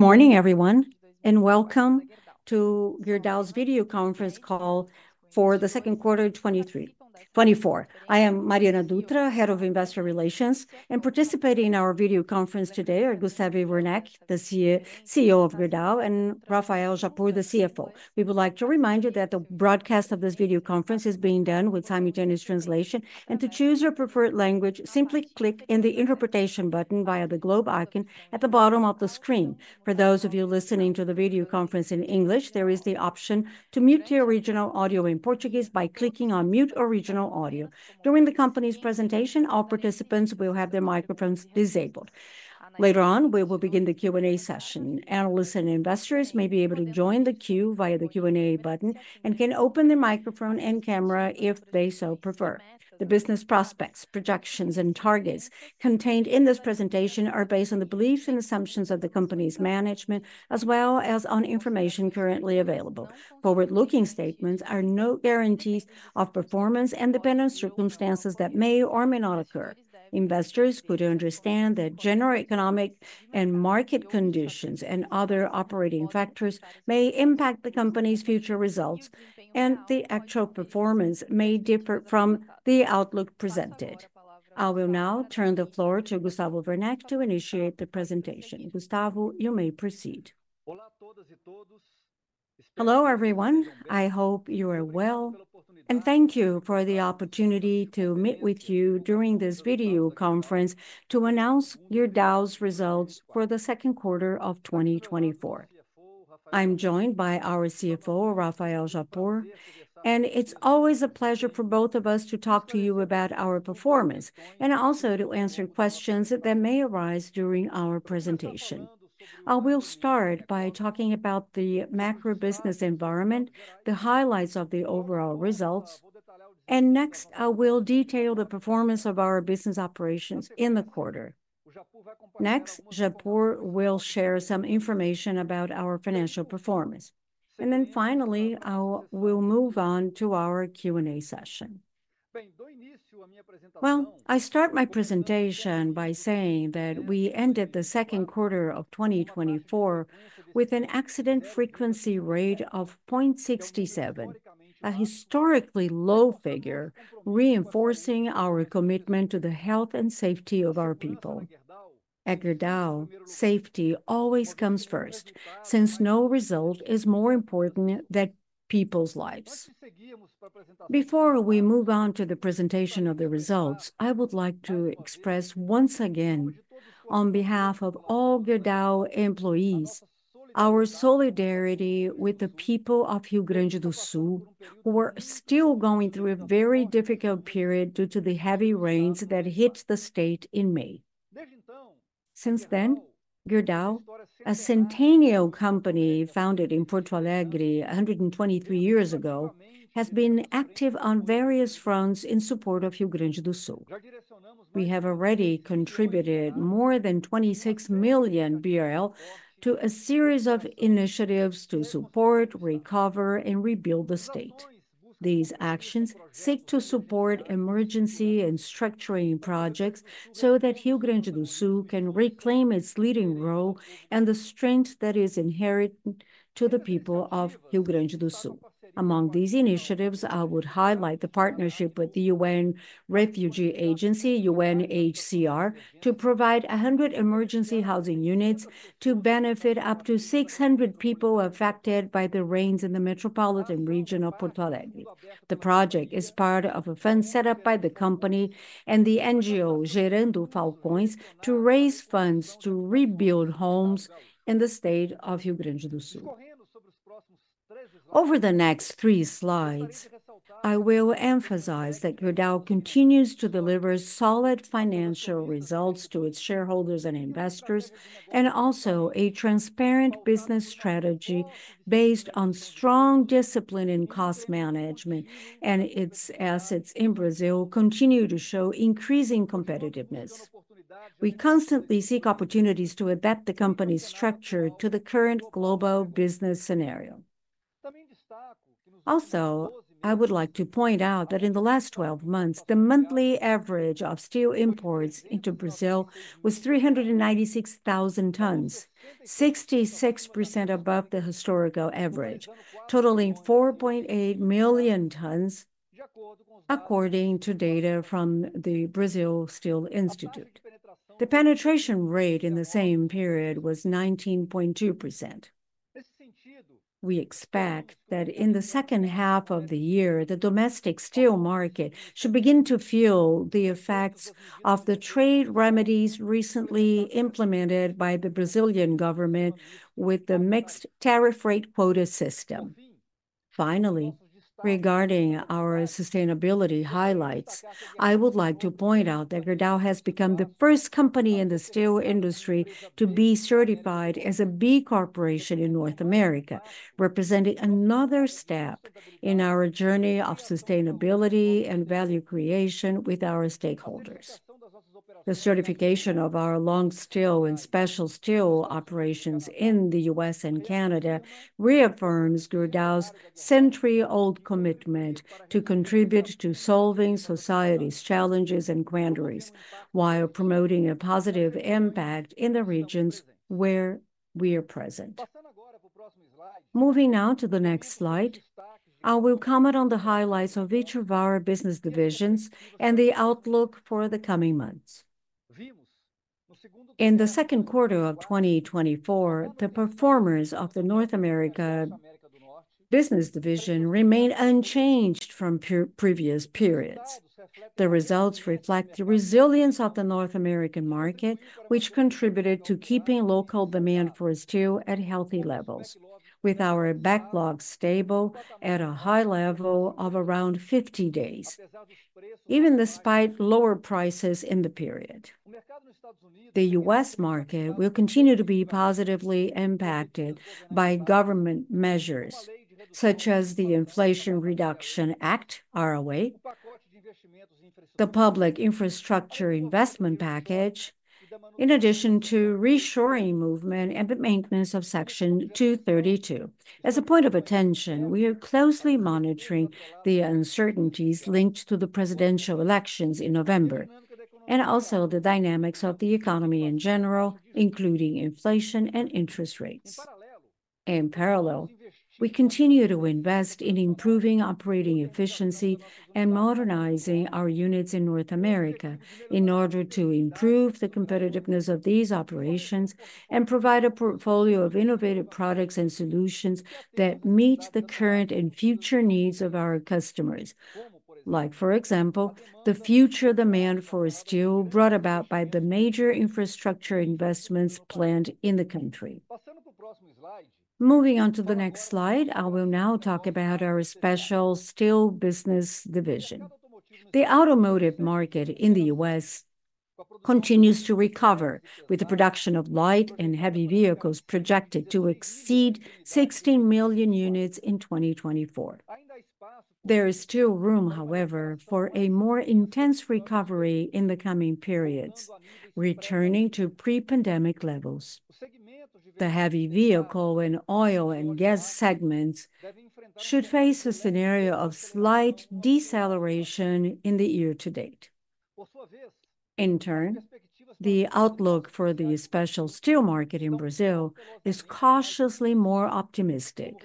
Morning, everyone, and welcome to Gerdau's video conference call for the second quarter of 2023, 2024. I am Mariana Dutra, Head of Investor Relations, and participating in our video conference today are Gustavo Werneck, the CEO of Gerdau, and Rafael Japur, the CFO. We would like to remind you that the broadcast of this video conference is being done with simultaneous translation, and to choose your preferred language, simply click in the interpretation button via the globe icon at the bottom of the screen. For those of you listening to the video conference in English, there is the option to mute the original audio in Portuguese by clicking on Mute Original Audio. During the company's presentation, all participants will have their microphones disabled. Later on, we will begin the Q&A session. Analysts and investors may be able to join the queue via the Q&A button, and can open their microphone and camera if they so prefer. The business prospects, projections, and targets contained in this presentation are based on the beliefs and assumptions of the company's management, as well as on information currently available. Forward-looking statements are no guarantees of performance and depend on circumstances that may or may not occur. Investors could understand that general economic and market conditions and other operating factors may impact the company's future results, and the actual performance may differ from the outlook presented. I will now turn the floor to Gustavo Werneck to initiate the presentation. Gustavo, you may proceed. Hello, everyone. I hope you are well, and thank you for the opportunity to meet with you during this video conference to announce Gerdau's results for the second quarter of 2024. I'm joined by our CFO, Rafael Japur, and it's always a pleasure for both of us to talk to you about our performance, and also to answer questions that may arise during our presentation. I will start by talking about the macro business environment, the highlights of the overall results, and next, I will detail the performance of our business operations in the quarter. Next, Japur will share some information about our financial performance. Then finally, I will move on to our Q&A session. Well, I start my presentation by saying that we ended the second quarter of 2024 with an accident frequency rate of 0.67, a historically low figure, reinforcing our commitment to the health and safety of our people. At Gerdau, safety always comes first, since no result is more important than people's lives. Before we move on to the presentation of the results, I would like to express once again, on behalf of all Gerdau employees, our solidarity with the people of Rio Grande do Sul, who are still going through a very difficult period due to the heavy rains that hit the state in May. Since then, Gerdau, a centennial company founded in Porto Alegre 123 years ago, has been active on various fronts in support of Rio Grande do Sul. We have already contributed more than 26 million BRL to a series of initiatives to support, recover, and rebuild the state. These actions seek to support emergency and structuring projects so that Rio Grande do Sul can reclaim its leading role and the strength that is inherent to the people of Rio Grande do Sul. Among these initiatives, I would highlight the partnership with the UN Refugee Agency, UNHCR, to provide 100 emergency housing units to benefit up to 600 people affected by the rains in the metropolitan region of Porto Alegre. The project is part of a fund set up by the company and the NGO, Gerando Falcões, to raise funds to rebuild homes in the state of Rio Grande do Sul. Over the next three slides, I will emphasize that Gerdau continues to deliver solid financial results to its shareholders and investors, and also a transparent business strategy based on strong discipline in cost management, and its assets in Brazil continue to show increasing competitiveness. We constantly seek opportunities to adapt the company's structure to the current global business scenario. Also, I would like to point out that in the last 12 months, the monthly average of steel imports into Brazil was 396,000 tons, 66% above the historical average, totaling 4.8 million tons, according to data from the Brazil Steel Institute. The penetration rate in the same period was 19.2%.We expect that in the second half of the year, the domestic steel market should begin to feel the effects of the trade remedies recently implemented by the Brazilian government with the mixed tariff rate quota system. Finally, regarding our sustainability highlights, I would like to point out that Gerdau has become the first company in the steel industry to be certified as a B Corporation in North America, representing another step in our journey of sustainability and value creation with our stakeholders. The certification of our long steel and special steel operations in the U.S. and Canada reaffirms Gerdau's century-old commitment to contribute to solving society's challenges and quandaries, while promoting a positive impact in the regions where we are present. Moving now to the next slide, I will comment on the highlights of each of our business divisions and the outlook for the coming months. In the second quarter of 2024, the performance of the North America business division remained unchanged from previous periods. The results reflect the resilience of the North American market, which contributed to keeping local demand for steel at healthy levels, with our backlog stable at a high level of around 50 days, even despite lower prices in the period. The US market will continue to be positively impacted by government measures, such as the Inflation Reduction Act, IRA, the Public Infrastructure Investment Package, in addition to reshoring movement and the maintenance of Section 232. As a point of attention, we are closely monitoring the uncertainties linked to the presidential elections in November, and also the dynamics of the economy in general, including inflation and interest rates. In parallel, we continue to invest in improving operating efficiency and modernizing our units in North America in order to improve the competitiveness of these operations and provide a portfolio of innovative products and solutions that meet the current and future needs of our customers. Like, for example, the future demand for steel brought about by the major infrastructure investments planned in the country. Moving on to the next slide, I will now talk about our special steel business division. The automotive market in the U.S. continues to recover, with the production of light and heavy vehicles projected to exceed 16 million units in 2024. There is still room, however, for a more intense recovery in the coming periods, returning to pre-pandemic levels. The heavy vehicle and oil and gas segments should face a scenario of slight deceleration in the year to date. In turn, the outlook for the special steel market in Brazil is cautiously more optimistic,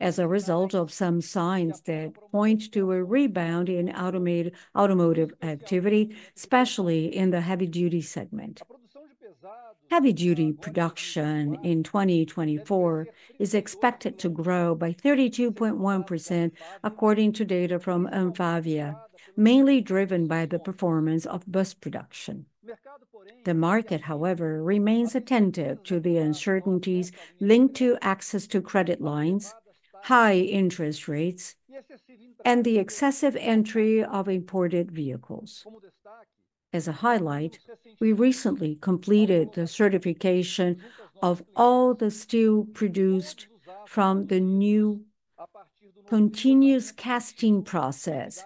as a result of some signs that point to a rebound in automotive activity, especially in the heavy-duty segment. Heavy-duty production in 2024 is expected to grow by 32.1%, according to data from ANFAVEA, mainly driven by the performance of bus production. The market, however, remains attentive to the uncertainties linked to access to credit lines, high interest rates, and the excessive entry of imported vehicles. As a highlight, we recently completed the certification of all the steel produced from the new continuous casting process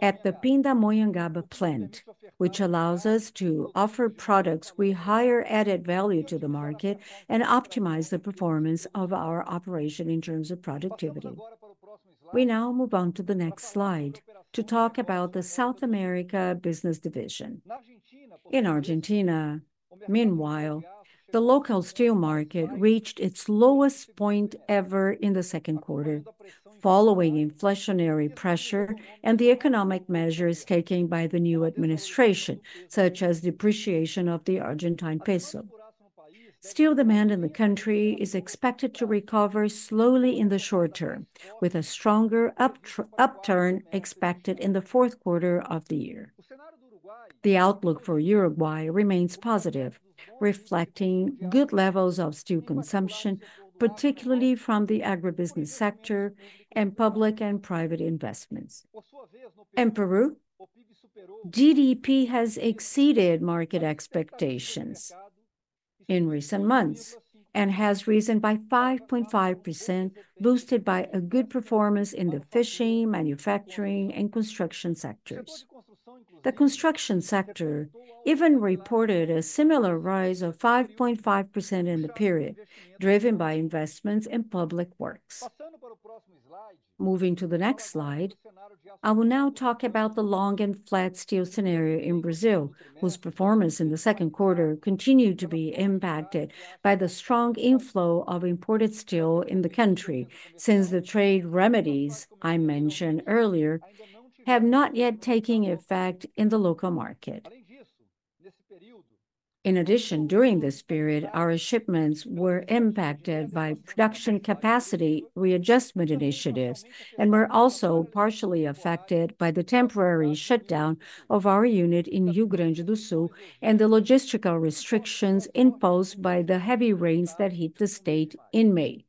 at the Pindamonhangaba plant, which allows us to offer products with higher added value to the market and optimize the performance of our operation in terms of productivity. We now move on to the next slide to talk about the South America business division. In Argentina, meanwhile, the local steel market reached its lowest point ever in the second quarter, following inflationary pressure and the economic measures taken by the new administration, such as depreciation of the Argentine peso. Steel demand in the country is expected to recover slowly in the short term, with a stronger upturn expected in the fourth quarter of the year. The outlook for Uruguay remains positive, reflecting good levels of steel consumption, particularly from the agribusiness sector and public and private investments. In Peru, GDP has exceeded market expectations in recent months and has risen by 5.5%, boosted by a good performance in the fishing, manufacturing, and construction sectors. The construction sector even reported a similar rise of 5.5% in the period, driven by investments in public works. Moving to the next slide, I will now talk about the long and flat steel scenario in Brazil, whose performance in the second quarter continued to be impacted by the strong inflow of imported steel in the country, since the trade remedies I mentioned earlier have not yet taken effect in the local market. In addition, during this period, our shipments were impacted by production capacity readjustment initiatives and were also partially affected by the temporary shutdown of our unit in Rio Grande do Sul, and the logistical restrictions imposed by the heavy rains that hit the state in May.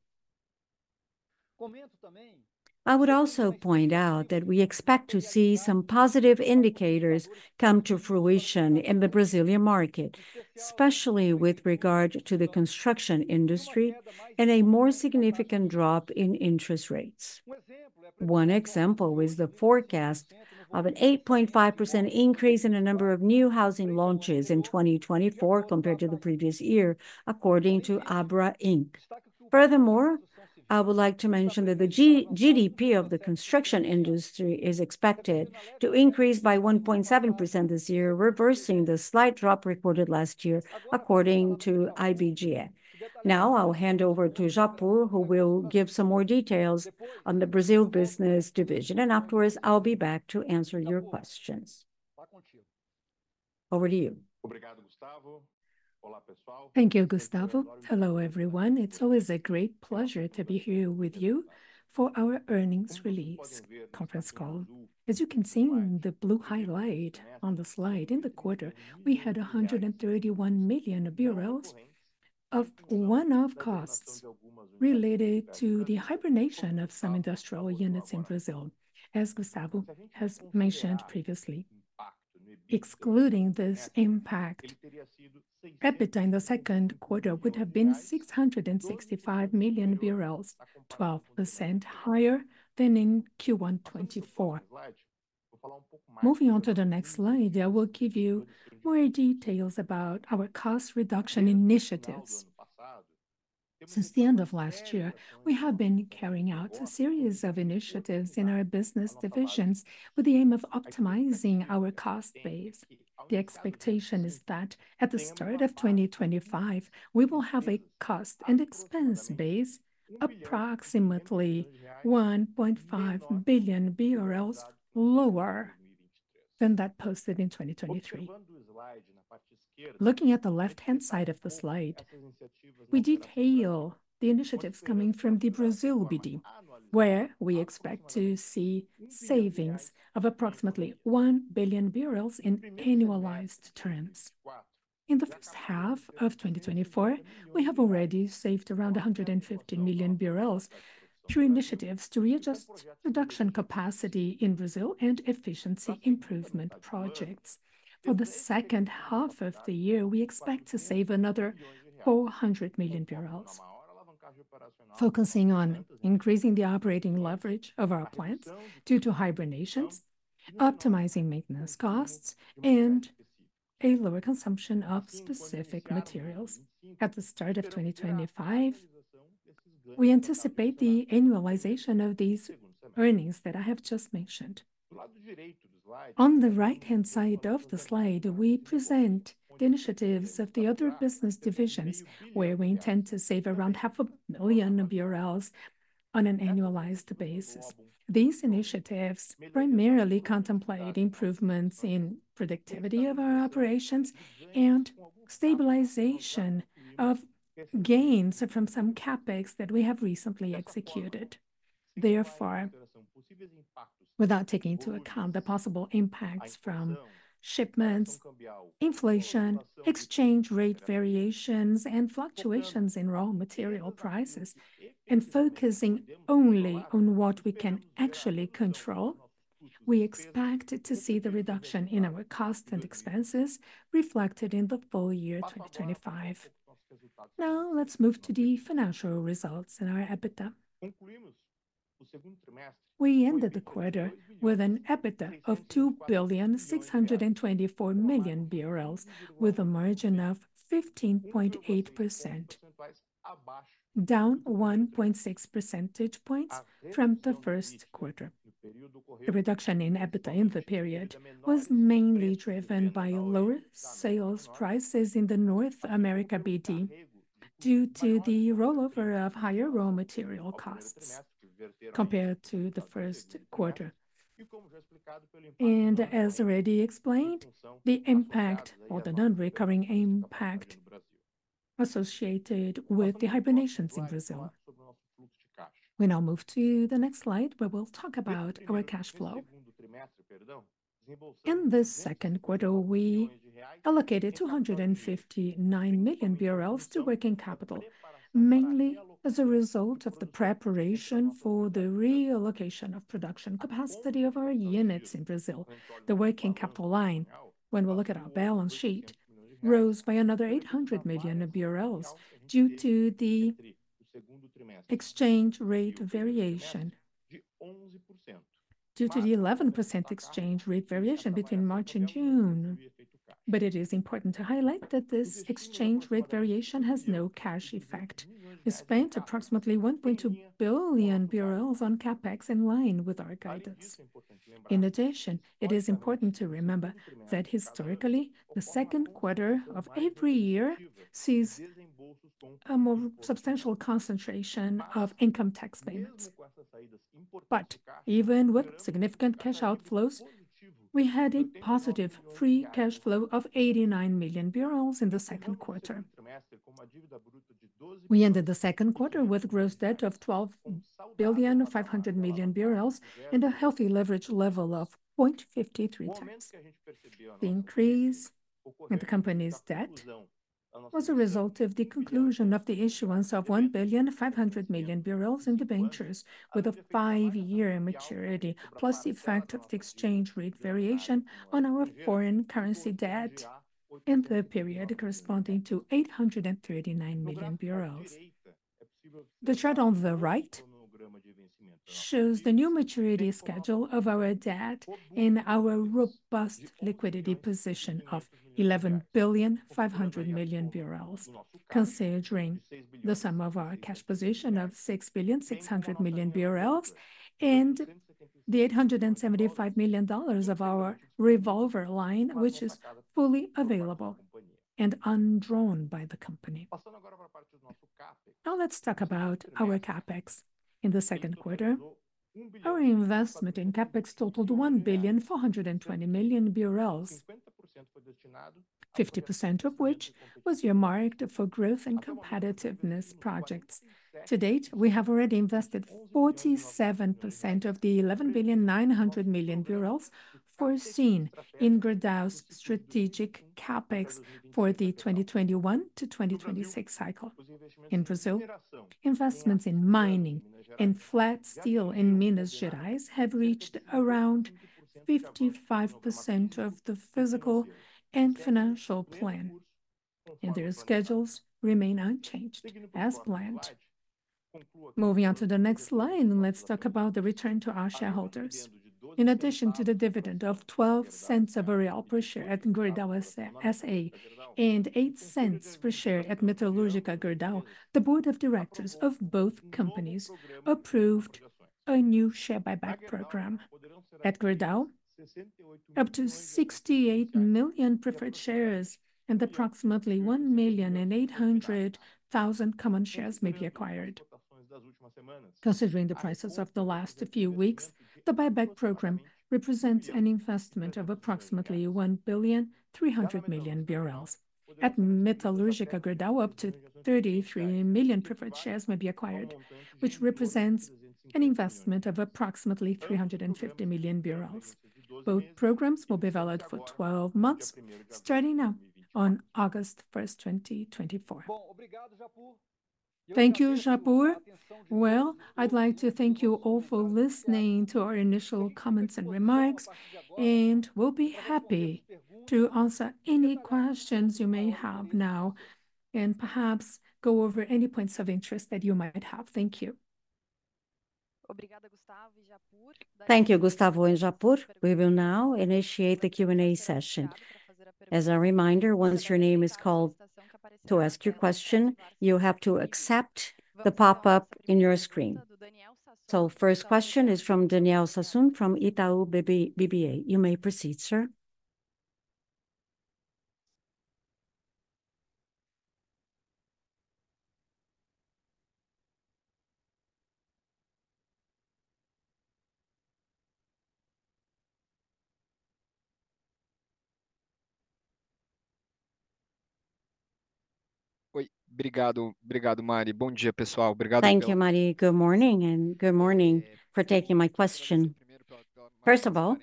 I would also point out that we expect to see some positive indicators come to fruition in the Brazilian market, especially with regard to the construction industry and a more significant drop in interest rates. One example is the forecast of an 8.5% increase in the number of new housing launches in 2024 compared to the previous year, according to ABRAINC. Furthermore, I would like to mention that the GDP of the construction industry is expected to increase by 1.7% this year, reversing the slight drop recorded last year, according to IBGE. Now, I'll hand over to Japur, who will give some more details on the Brazil business division, and afterwards, I'll be back to answer your questions. Over to you. Thank you, Gustavo. Hello, everyone. It's always a great pleasure to be here with you for our earnings release conference call. As you can see in the blue highlight on the slide, in the quarter, we had 131 million reais of one-off costs related to the hibernation of some industrial units in Brazil, as Gustavo has mentioned previously. Excluding this impact, EBITDA in the second quarter would have been 665 million reais, 12% higher than in Q1 2024. Moving on to the next slide, I will give you more details about our cost reduction initiatives. Since the end of last year, we have been carrying out a series of initiatives in our business divisions with the aim of optimizing our cost base. The expectation is that at the start of 2025, we will have a cost and expense base, approximately 1.5 billion BRL lower than that posted in 2023. Looking at the left-hand side of the slide, we detail the initiatives coming from the Brazil BD, where we expect to see savings of approximately 1 billion in annualized terms. In the first half of 2024, we have already saved around 150 million BRL through initiatives to readjust production capacity in Brazil and efficiency improvement projects. For the second half of the year, we expect to save another 400 million, focusing on increasing the operating leverage of our plants due to hibernations, optimizing maintenance costs, and a lower consumption of specific materials. At the start of 2025, we anticipate the annualization of these earnings that I have just mentioned. On the right-hand side of the slide, we present the initiatives of the other business divisions, where we intend to save around 500,000 BRL an annualized basis. These initiatives primarily contemplate improvements in productivity of our operations and stabilization of gains from some CapEx that we have recently executed. Therefore, without taking into account the possible impacts from shipments, inflation, exchange rate variations, and fluctuations in raw material prices, and focusing only on what we can actually control, we expect to see the reduction in our cost and expenses reflected in the full year 2025. Now, let's move to the financial results in our EBITDA. We ended the quarter with an EBITDA of 2.624 billion BRL, with a margin of 15.8%, down 1.6 percentage points from the first quarter. The reduction in EBITDA in the period was mainly driven by lower sales prices in the North America BD, due to the rollover of higher raw material costs compared to the first quarter. And as already explained, the impact or the non-recurring impact associated with the hibernations in Brazil. We now move to the next slide, where we'll talk about our cash flow. In the second quarter, we allocated 259 million BRL to working capital, mainly as a result of the preparation for the reallocation of production capacity of our units in Brazil. The working capital line, when we look at our balance sheet, rose by another BRL 800 million due to the exchange rate variation. Due to the 11% exchange rate variation between March and June. But it is important to highlight that this exchange rate variation has no cash effect. We spent approximately BRL 1.2 billion on CapEx in line with our guidance. In addition, it is important to remember that historically, the second quarter of every year sees a more substantial concentration of income tax payments. But even with significant cash outflows, we had a positive free cash flow of 89 million BRL in the second quarter. We ended the second quarter with gross debt of 12.5 billion, and a healthy leverage level of 0.53x. The increase in the company's debt was a result of the conclusion of the issuance of 1.5 billion in debentures, with a five-year maturity, plus the effect of the exchange rate variation on our foreign currency debt in the period corresponding to 839 million BRL. The chart on the right-... shows the new maturity schedule of our debt and our robust liquidity position of 11.5 billion, considering the sum of our cash position of 6.6 billion, and the $875 million of our revolver line, which is fully available and undrawn by the company. Now let's talk about our CapEx. In the second quarter, our investment in CapEx totaled 1.42 billion, 50% of which was earmarked for growth and competitiveness projects. To date, we have already invested 47% of the 11.9 billion foreseen in Gerdau's strategic CapEx for the 2021-2026 cycle. In Brazil, investments in mining and flat steel in Minas Gerais have reached around 55% of the physical and financial plan, and their schedules remain unchanged as planned. Moving on to the next slide, let's talk about the return to our shareholders. In addition to the dividend of 0.12 BRL per share at Gerdau S.A., and 0.08 BRL per share at Metalúrgica Gerdau, the board of directors of both companies approved a new share buyback program. At Gerdau, up to 68 million preferred shares and approximately 1.8 million common shares may be acquired. Considering the prices of the last few weeks, the buyback program represents an investment of approximately 1.3 billion. At Metalúrgica Gerdau, up to 33 million preferred shares may be acquired, which represents an investment of approximately 350 million BRL. Both programs will be valid for 12 months, starting now on August first, 2024. Thank you, Japur. Well, I'd like to thank you all for listening to our initial comments and remarks, and we'll be happy to answer any questions you may have now, and perhaps go over any points of interest that you might have. Thank you. Thank you, Gustavo and Japur. We will now initiate the Q&A session. As a reminder, once your name is called to ask your question, you have to accept the pop-up in your screen. So first question is from Daniel Sasson from Itaú BBA. You may proceed, sir. Thank you, Mari. Good morning, and good morning for taking my question. First of all,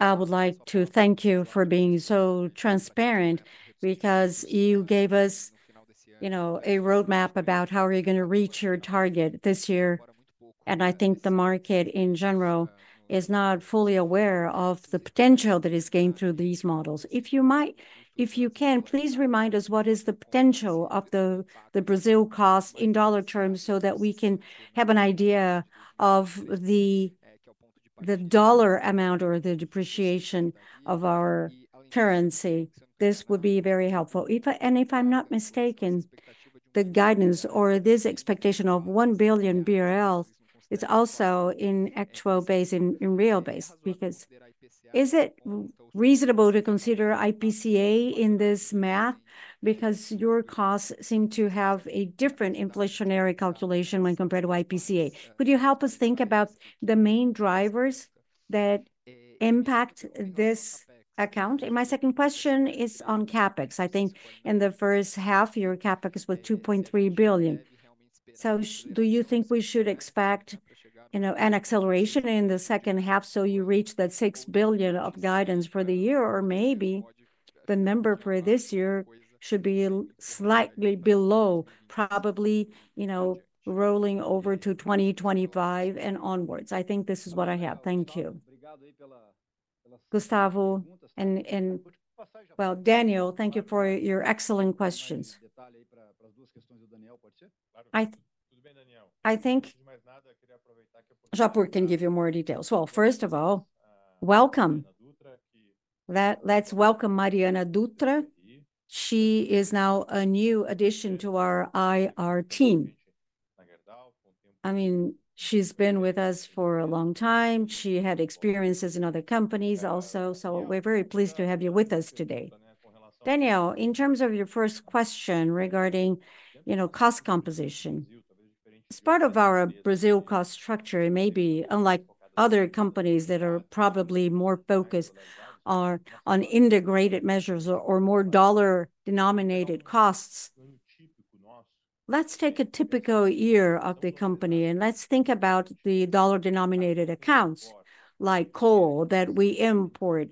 I would like to thank you for being so transparent, because you gave us, you know, a roadmap about how are you gonna reach your target this year, and I think the market in general is not fully aware of the potential that is gained through these models. If you can, please remind us what is the potential of the, the Brazil cost in dollar terms, so that we can have an idea of the, the dollar amount or the depreciation of our currency. This would be very helpful. If I'm not mistaken, the guidance or this expectation of 1 billion BRL, it's also in actual base, in real base. Because is it reasonable to consider IPCA in this math? Because your costs seem to have a different inflationary calculation when compared to IPCA. Could you help us think about the main drivers that impact this account? And my second question is on CapEx. I think in the first half, your CapEx was 2.3 billion. So do you think we should expect, you know, an acceleration in the second half, so you reach that 6 billion of guidance for the year? Or maybe the number for this year should be slightly below, probably, you know, rolling over to 2025 and onwards. I think this is what I have. Thank you. Gustavo. Well, Daniel, thank you for your excellent questions. I think Japur can give you more details. Well, first of all, welcome. Let's welcome Mariana Dutra. She is now a new addition to our IR team. I mean, she's been with us for a long time. She had experiences in other companies also, so we're very pleased to have you with us today. Daniel, in terms of your first question regarding, you know, cost composition, as part of our Brazil cost structure, it may be unlike other companies that are probably more focused on integrated measures or more dollar-denominated costs. Let's take a typical year of the, and let's think about the dollar-denominated accounts, like coal, that we import,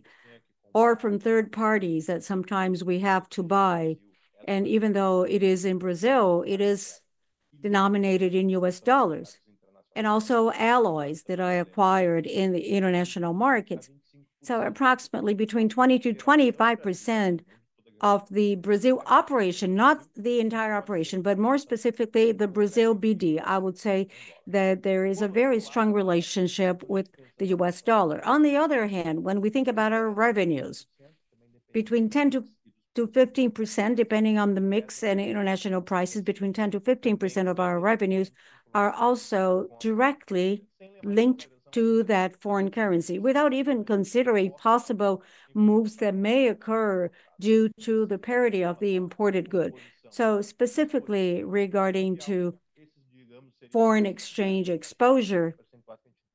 or from third parties that sometimes we have to buy, and even though it is in Brazil, it is denominated in US dollars, and also alloys that are acquired in the international markets. So approximately between 20%-25%-... of the Brazil operation, not the entire operation, but more specifically the Brazil BD, I would say that there is a very strong relationship with the US dollar. On the other hand, when we think about our revenues, between 10%-15%, depending on the mix and international prices, between 10%-15% of our revenues are also directly linked to that foreign currency, without even considering possible moves that may occur due to the parity of the imported good. So specifically regarding to foreign exchange exposure,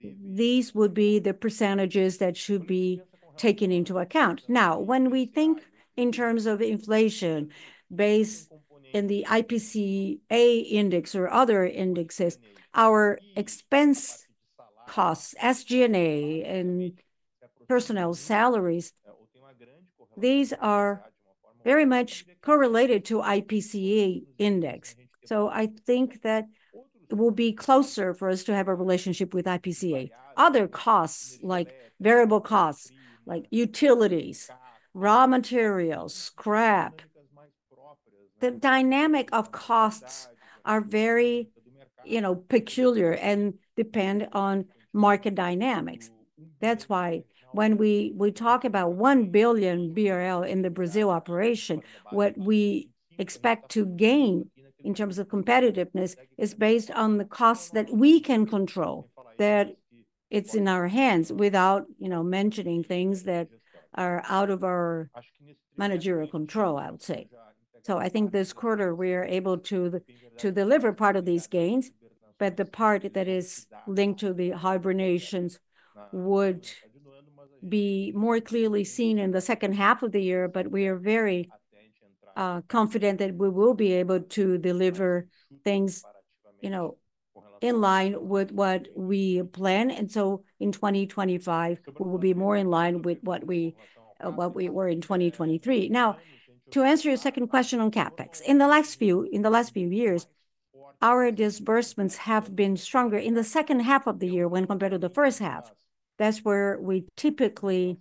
these would be the percentages that should be taken into account. Now, when we think in terms of inflation based in the IPCA index or other indexes, our expense costs, SG&A, and personnel salaries, these are very much correlated to IPCA index. So I think that it will be closer for us to have a relationship with IPCA. Other costs, like variable costs, like utilities, raw materials, scrap, the dynamic of costs are very, you know, peculiar and depend on market dynamics. That's why when we, we talk about 1 billion BRL in the Brazil operation, what we expect to gain in terms of competitiveness is based on the costs that we can control, that it's in our hands, without, you know, mentioning things that are out of our managerial control, I would say. So I think this quarter we are able to, to deliver part of these gains, but the part that is linked to the hibernations would be more clearly seen in the second half of the year. But we are very confident that we will be able to deliver things, you know, in line with what we plan, and so in 2025 we will be more in line with what we were in 2023. Now, to answer your second question on CapEx, in the last few years, our disbursements have been stronger in the second half of the year when compared to the first half. That's where we typically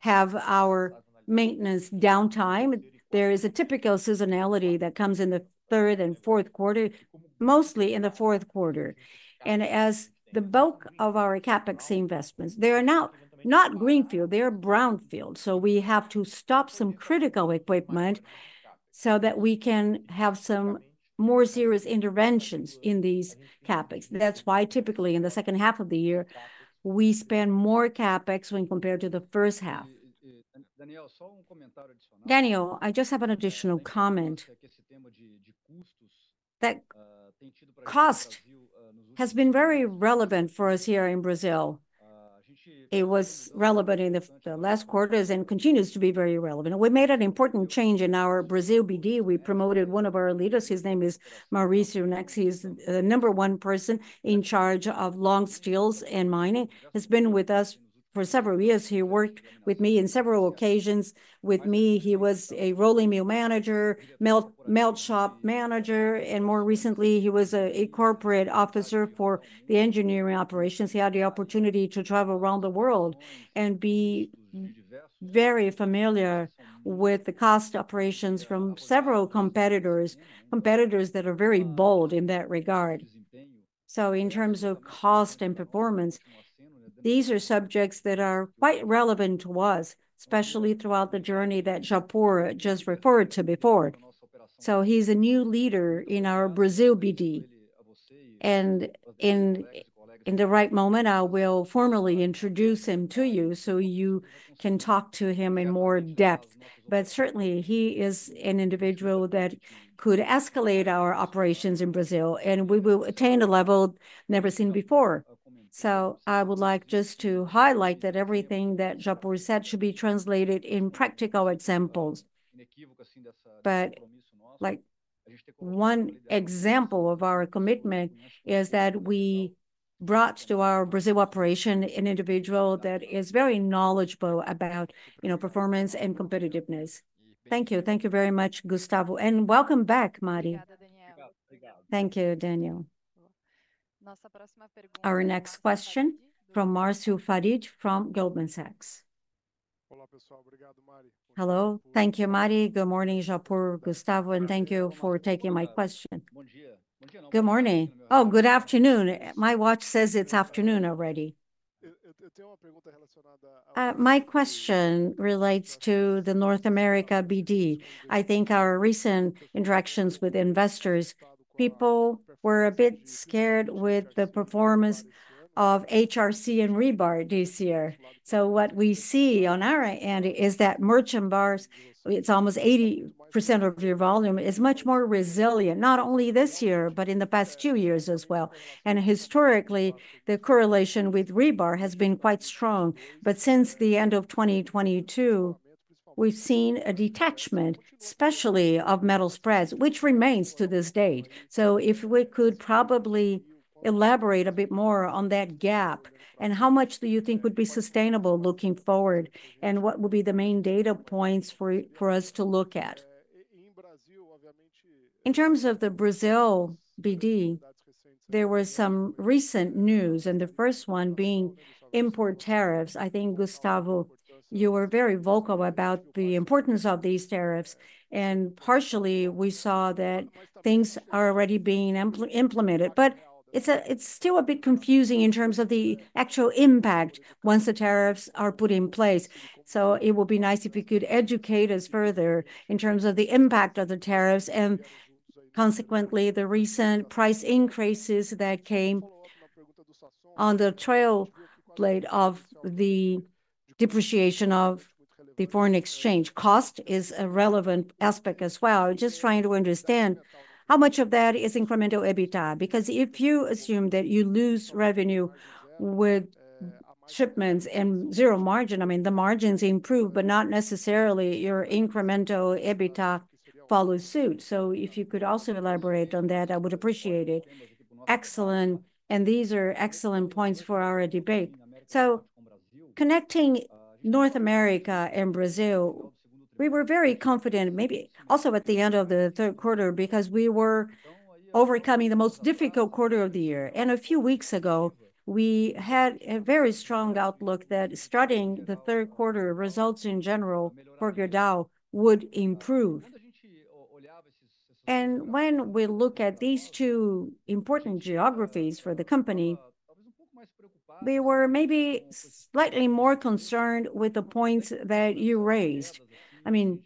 have our maintenance downtime. There is a typical seasonality that comes in the third and fourth quarter, mostly in the fourth quarter. And as the bulk of our CapEx investments, they are not greenfield, they are brownfield, so we have to stop some critical equipment so that we can have some more serious interventions in these CapEx. That's why typically in the second half of the year, we spend more CapEx when compared to the first half. Daniel, I just have an additional comment. That cost has been very relevant for us here in Brazil. It was relevant in the last quarters and continues to be very relevant. We made an important change in our Brazil BD. We promoted one of our leaders. His name is Mauricio Metz. He's the number one person in charge of long steels and mining. He's been with us for several years. He worked with me in several occasions. With me, he was a rolling mill manager, melt shop manager, and more recently, he was a corporate officer for the engineering operations. He had the opportunity to travel around the world and be very familiar with the cost operations from several competitors, competitors that are very bold in that regard. So in terms of cost and performance, these are subjects that are quite relevant to us, especially throughout the journey that Japur just referred to before. So he's a new leader in our Brazil BD, and in the right moment, I will formally introduce him to you so you can talk to him in more depth. But certainly, he is an individual that could escalate our operations in Brazil, and we will attain a level never seen before. So I would like just to highlight that everything that Japur said should be translated in practical examples. But, like, one example of our commitment is that we brought to our Brazil operation an individual that is very knowledgeable about, you know, performance and competitiveness. Thank you. Thank you very much, Gustavo, and welcome back, Mari. Thank you, Daniel. Our next question from Marcio Farid from Goldman Sachs. Hello. Thank you, Mari. Good morning, Japur, Gustavo, and thank you for taking my question. Good morning. Oh, good afternoon. My watch says it's afternoon already. My question relates to the North America BD. I think our recent interactions with investors, people were a bit scared with the performance of HRC and rebar this year. So what we see on our end is that merchant bars, it's almost 80% of your volume, is much more resilient, not only this year, but in the past two years as well. And historically, the correlation with rebar has been quite strong. But since the end of 2022, we've seen a detachment, especially of metal spreads, which remains to this date. So if we could probably elaborate a bit more on that gap, and how much do you think would be sustainable looking forward, and what would be the main data points for us to look at? In terms of the Brazil BD, there were some recent news, and the first one being import tariffs. I think, Gustavo, you were very vocal about the importance of these tariffs, and partially we saw that things are already being implemented. But it's still a bit confusing in terms of the actual impact once the tariffs are put in place. So it would be nice if you could educate us further in terms of the impact of the tariffs, and consequently, the recent price increases that came on the trail blade of the depreciation of the foreign exchange. Cost is a relevant aspect as well. Just trying to understand, how much of that is incremental EBITDA? Because if you assume that you lose revenue with shipments and zero margin, I mean, the margins improve, but not necessarily your incremental EBITDA follows suit. So if you could also elaborate on that, I would appreciate it. Excellent, and these are excellent points for our debate. So connecting North America and Brazil, we were very confident, maybe also at the end of the third quarter, because we were overcoming the most difficult quarter of the year. And a few weeks ago, we had a very strong outlook that starting the third quarter, results in general for Gerdau would improve. And when we look at these two important geographies for the company, we were maybe slightly more concerned with the points that you raised. I mean,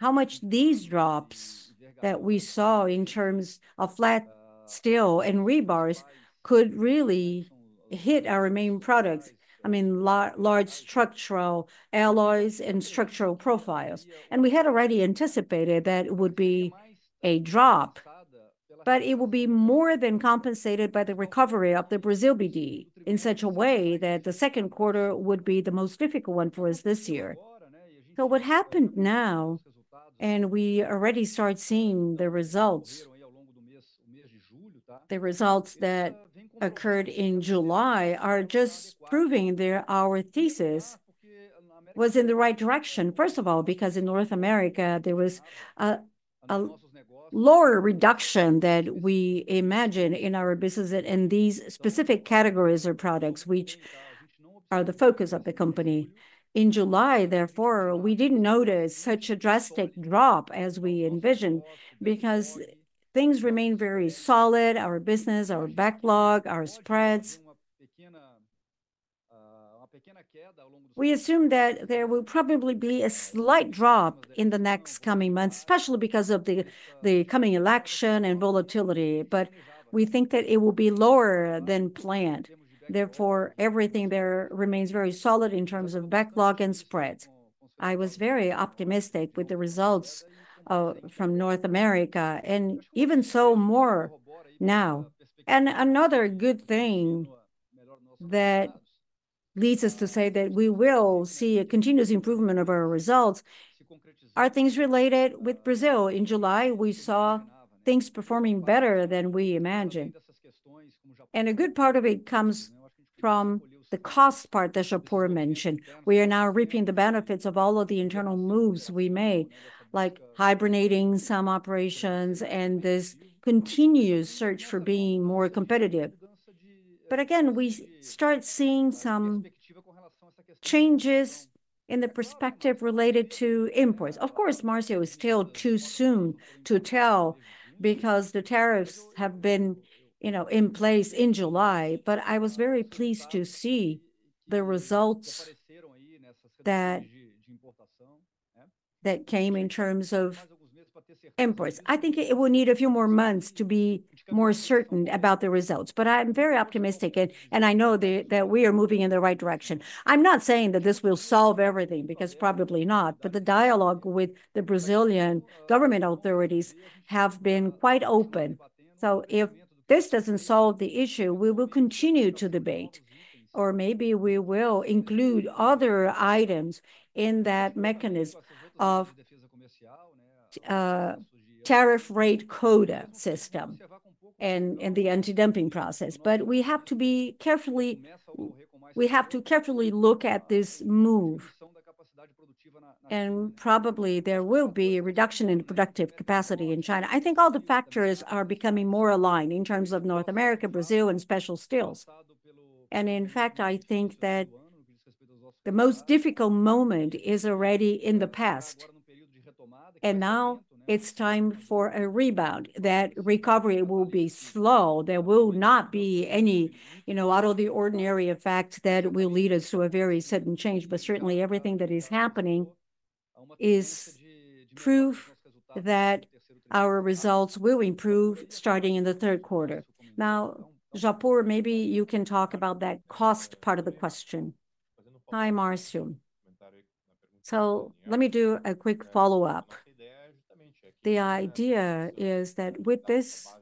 how much these drops that we saw in terms of flat steel and rebars could really hit our main products, I mean, large structural alloys and structural profiles. And we had already anticipated that it would be a drop, but it will be more than compensated by the recovery of the Brazil BD in such a way that the second quarter would be the most difficult one for us this year. So what happened now, and we already start seeing the results, the results that occurred in July, are just proving that our thesis was in the right direction. First of all, because in North America, there was a lower reduction than we imagined in our business in these specific categories or products, which are the focus of the company. In July, therefore, we didn't notice such a drastic drop as we envisioned, because things remain very solid, our business, our backlog, our spreads. We assume that there will probably be a slight drop in the next coming months, especially because of the coming election and volatility, but we think that it will be lower than planned. Therefore, everything there remains very solid in terms of backlog and spreads. I was very optimistic with the results from North America, and even so more now. Another good thing that leads us to say that we will see a continuous improvement of our results are things related with Brazil. In July, we saw things performing better than we imagined, and a good part of it comes from the cost part that Japur mentioned. We are now reaping the benefits of all of the internal moves we made, like hibernating some operations and this continuous search for being more competitive. But again, we start seeing some changes in the perspective related to imports. Of course, Marcio, it's still too soon to tell because the tariffs have been, you know, in place in July, but I was very pleased to see the results that came in terms of imports. I think it will need a few more months to be more certain about the results, but I'm very optimistic and I know that we are moving in the right direction. I'm not saying that this will solve everything, because probably not, but the dialogue with the Brazilian government authorities have been quite open. So, if this doesn't solve the issue, we will continue to debate, or maybe we will include other items in that mechanism of tariff rate quota system and the anti-dumping process. But we have to be carefully, we have to carefully look at this move, and probably there will be a reduction in productive capacity in China. I think all the factors are becoming more aligned in terms of North America, Brazil, and Special Steels. And in fact, I think that the most difficult moment is already in the past, and now it's time for a rebound. That recovery will be slow. There will not be any, you know, out of the ordinary effects that will lead us to a very sudden change, but certainly everything that is happening is proof that our results will improve starting in the third quarter. Now, Japur, maybe you can talk about that cost part of the question. Hi, Marcio. Let me do a quick follow-up. The idea is that with this,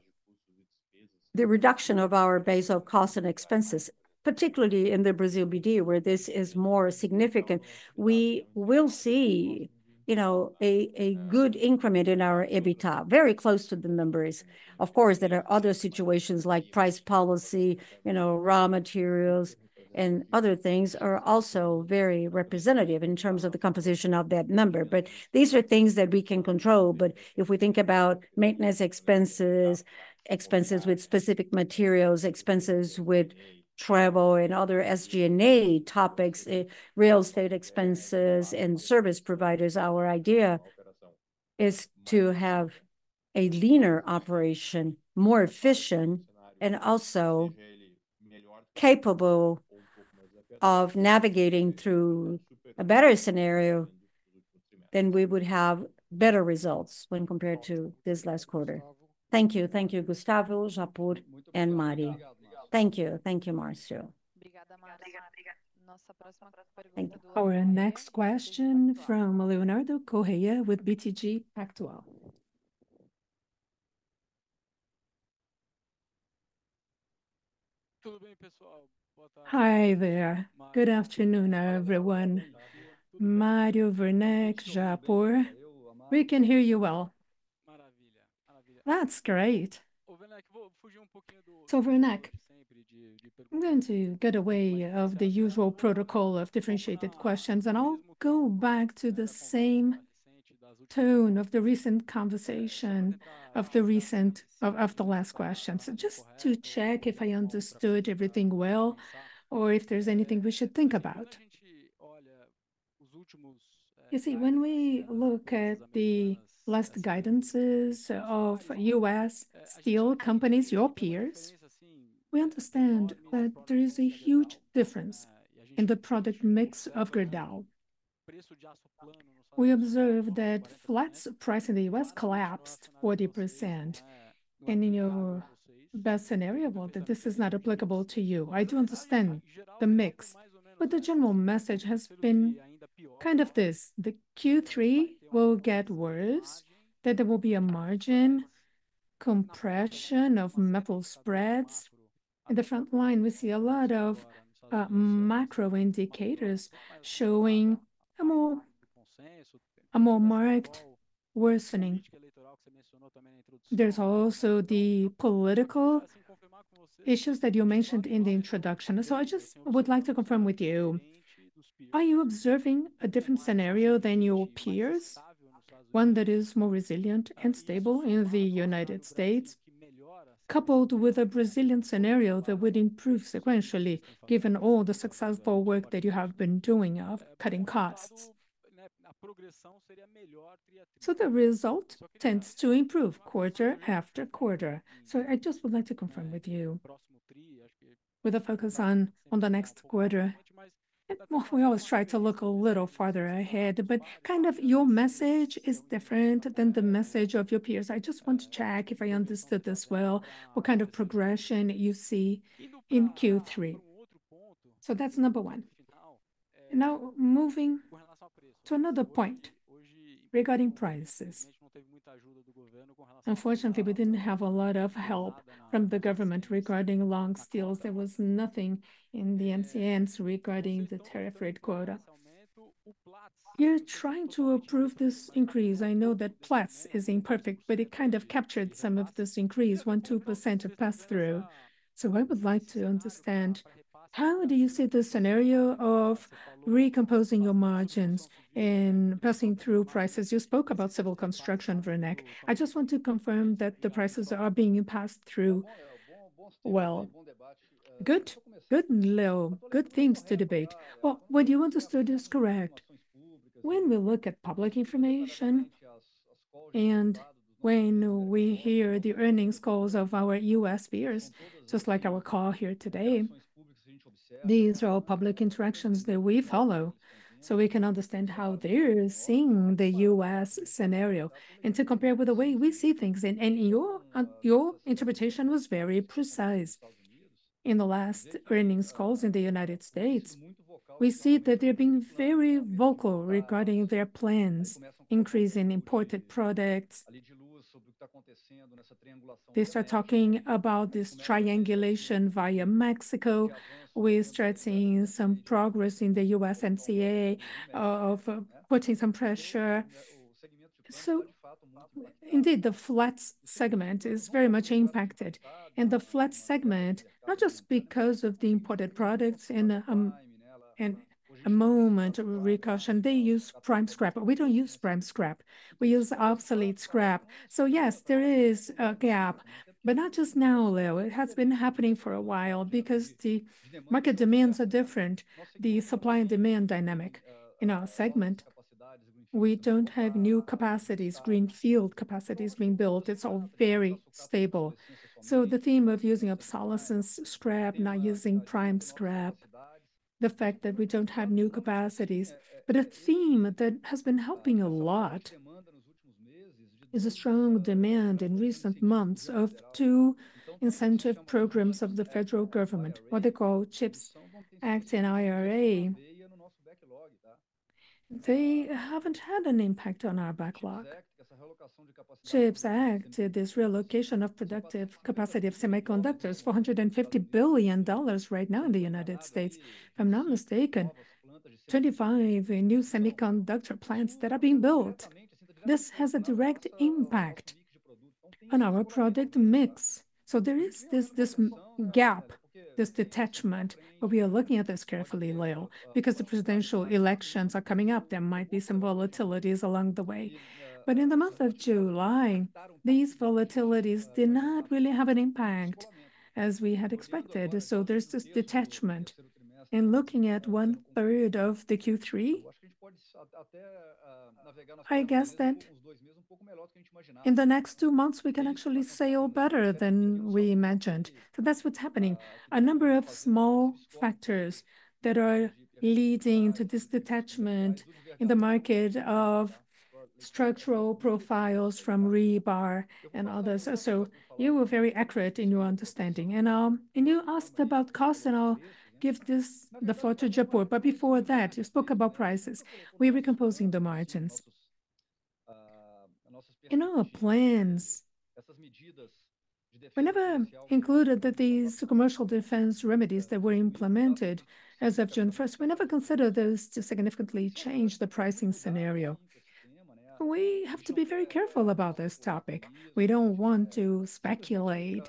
the reduction of our base of costs and expenses, particularly in the Brazil BD, where this is more significant, we will see you know, a good increment in our EBITDA, very close to the numbers. Of course, there are other situations like price policy, you know, raw materials, and other things are also very representative in terms of the composition of that number. But these are things that we can control. But if we think about maintenance expenses, expenses with specific materials, expenses with travel and other SG&A topics, real estate expenses and service providers, our idea is to have a leaner operation, more efficient, and also capable of navigating through a better scenario, then we would have better results when compared to this last quarter. Thank you. Thank you, Gustavo, Japur, and Mari. Thank you. Thank you, Marcio. Thank you. Our next question from Leonardo Correa with BTG Pactual. Hi there. Good afternoon, everyone. Mari, Werneck, Japur, we can hear you well. That's great. So Werneck, I'm going to get away from the usual protocol of differentiated questions, and I'll go back to the same tone of the recent conversation, of the last question. So just to check if I understood everything well or if there's anything we should think about. You see, when we look at the last guidances of U.S. steel companies, your peers, we understand that there is a huge difference in the product mix of Gerdau. We observe that flats price in the U.S. collapsed 40%, and in your best scenario about that this is not applicable to you. I do understand the mix, but the general message has been kind of this: that Q3 will get worse, that there will be a margin compression of metal spreads. In the front line, we see a lot of, macro indicators showing a more, a more marked worsening. There's also the political issues that you mentioned in the introduction. So I just would like to confirm with you, are you observing a different scenario than your peers, one that is more resilient and stable in the United States, coupled with a Brazilian scenario that would improve sequentially, given all the successful work that you have been doing of cutting costs? So the result tends to improve quarter after quarter. So, I just would like to confirm with you, with a focus on, on the next quarter. And well, we always try to look a little farther ahead, but kind of your message is different than the message of your peers. I just want to check if I understood this well, what kind of progression you see in Q3. So, that's number one. Now, moving to another point regarding prices. Unfortunately, we didn't have a lot of help from the government regarding long steels. There was nothing in the NCNs regarding the tariff rate quota. You're trying to approve this increase. I know that Platts is imperfect, but it kind of captured some of this increase, 1-2% of pass-through. So, I would like to understand, how do you see the scenario of recomposing your margins in passing through prices? You spoke about civil construction, Werneck. I just want to confirm that the prices are being passed through well. Good, good, Leo. Good themes to debate. Well, what you understood is correct. When we look at public information and when we hear the earnings calls of our U.S. peers, just like our call here today, these are all public interactions that we follow, so we can understand how they're seeing the U.S. scenario and to compare with the way we see things. And your interpretation was very precise. In the last earnings calls in the United States, we see that they're being very vocal regarding their plans, increasing imported products. They start talking about this triangulation via Mexico. We start seeing some progress in the U.S. USMCA, of putting some pressure. So indeed, the flats segment is very much impacted. And the flats segment, not just because of the imported products in a moment of caution, they use prime scrap. We don't use prime scrap. We use obsolete scrap. So yes, there is a gap, but not just now, Leo. It has been happening for a while because the market demands are different, the supply and demand dynamic. In our segment, we don't have new capacities, greenfield capacities being built. It's all very stable. So the theme of using obsolescence scrap, not using prime scrap, the fact that we don't have new capacities. But a theme that has been helping a lot is a strong demand in recent months of two incentive programs of the federal government, what they call CHIPS Act and IRA. They haven't had an impact on our backlog? CHIPS Act, this relocation of productive capacity of semiconductors, $450 billion right now in the United States. If I'm not mistaken, 25 new semiconductor plants that are being built. This has a direct impact on our product mix. So, there is this, this gap, this detachment, but we are looking at this carefully, Leo, because the presidential elections are coming up. There might be some volatilities along the way. But in the month of July, these volatilities did not really have an impact as we had expected, so there's this detachment. In looking at one third of the Q3, I guess that in the next two months we can actually sail better than we imagined. So that's what's happening. A number of small factors that are leading to this detachment in the market of structural profiles from rebar and others. So you were very accurate in your understanding. And, and you asked about costs, and I'll give this, the floor to Japur. But before that, you spoke about prices. We're recomposing the margins. In our plans, we never included that these commercial defense remedies that were implemented as of June 1st; we never considered this to significantly change the pricing scenario. We have to be very careful about this topic. We don't want to speculate.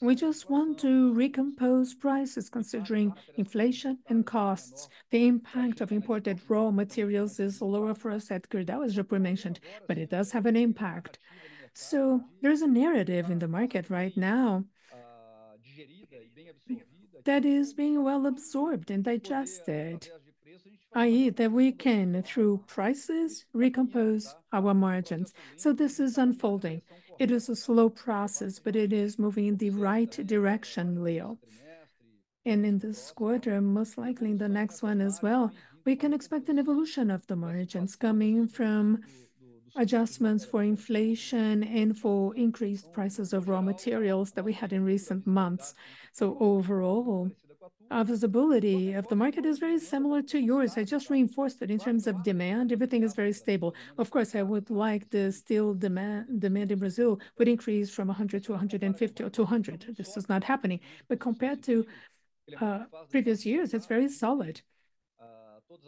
We just want to recompose prices considering inflation and costs. The impact of imported raw materials is lower for us at Gerdau, as Japur mentioned, but it does have an impact. So, there is a narrative in the market right now that is being well-absorbed and digested, i.e., that we can, through prices, recompose our margins. So, this is unfolding. It is a slow process, but it is moving in the right direction, Leo. In this quarter, most likely in the next one as well, we can expect an evolution of the margins coming from adjustments for inflation and for increased prices of raw materials that we had in recent months. So overall, our visibility of the market is very similar to yours. I just reinforced it. In terms of demand, everything is very stable. Of course, I would like the steel demand, demand in Brazil would increase from 100 to 150 or 200. This is not happening, but compared to previous years, it's very solid.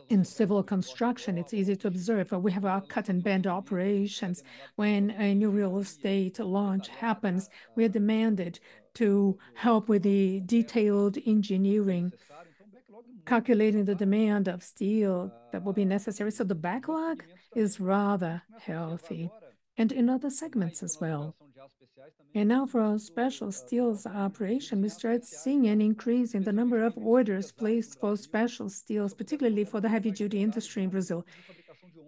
In civil construction, it's easy to observe, for we have our cut and bend operations. When a new real estate launch happens, we are demanded to help with the detailed engineering, calculating the demand of steel that will be necessary. So, the backlog is rather healthy, and in other segments as well. Now for our special steels operation, we started seeing an increase in the number of orders placed for special steels, particularly for the heavy-duty industry in Brazil,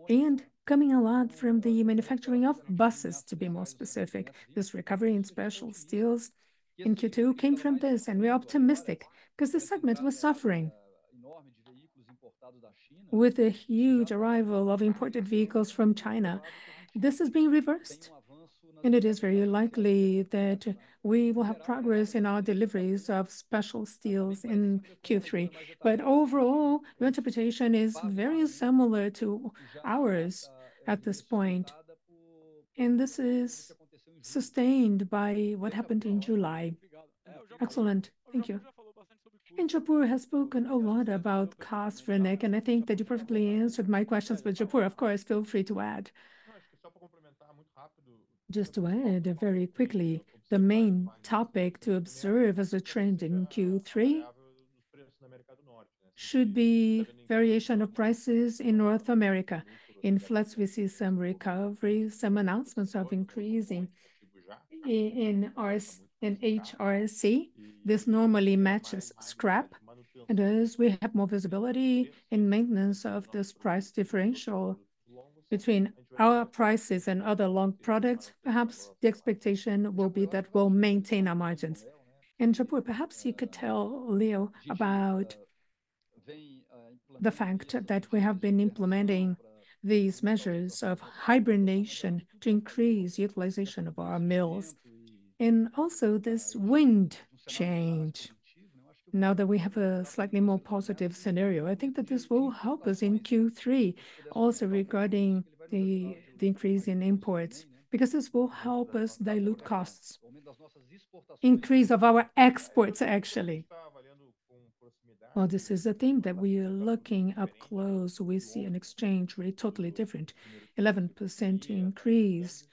and coming a lot from the manufacturing of buses, to be more specific. This recovery in special steels in Q2 came from this, and we're optimistic, 'cause this segment was suffering with a huge arrival of imported vehicles from China. This is being reversed, and it is very likely that we will have progress in our deliveries of special steels in Q3. But overall, your interpretation is very similar to ours at this point, and this is sustained by what happened in July. Excellent. Thank you. Japur has spoken a lot about costs, Werneck, and I think that you perfectly answered my questions. But Japur, of course, feel free to add. Just to add very quickly, the main topic to observe as a trend in Q3 should be variation of prices in North America. In flats, we see some recovery, some announcements of increasing in RS, in HRC. This normally matches scrap, and as we have more visibility in maintenance of this price differential between our prices and other long products, perhaps the expectation will be that we'll maintain our margins. And Japur, perhaps you could tell Leo about the fact that we have been implementing these measures of hibernation to increase utilization of our mills, and also this wind change, now that we have a slightly more positive scenario. I think that this will help us in Q3, also regarding the increase in imports, because this will help us dilute costs, increase of our exports, actually. Well, this is a thing that we are looking up close. We see an exchange rate, totally different, 11% increase,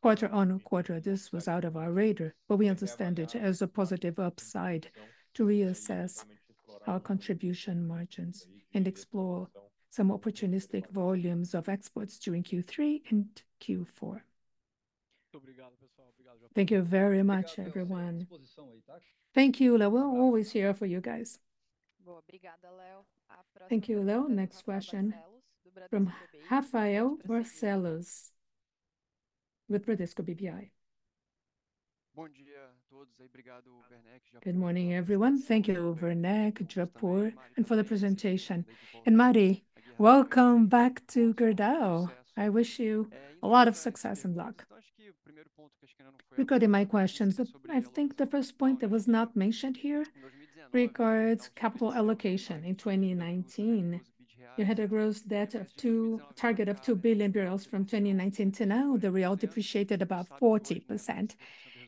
quarter on quarter. This was out of our radar, but we understand it as a positive upside to reassess our contribution margins and explore some opportunistic volumes of exports during Q3 and Q4. Thank you very much, everyone. Thank you, Leo. We're always here for you guys. Thank you, Leo. Next question from Rafael Barcellos with Bradesco BBI. Good morning, everyone. Thank you, Werneck, Japur, and for the presentation. And Mari, welcome back to Gerdau! I wish you a lot of success and luck. Regarding my questions, I think the first point that was not mentioned here regards capital allocation in 2019. You had a gross debt target of BRL 2 billion from 2019 to now, the real depreciated about 40%,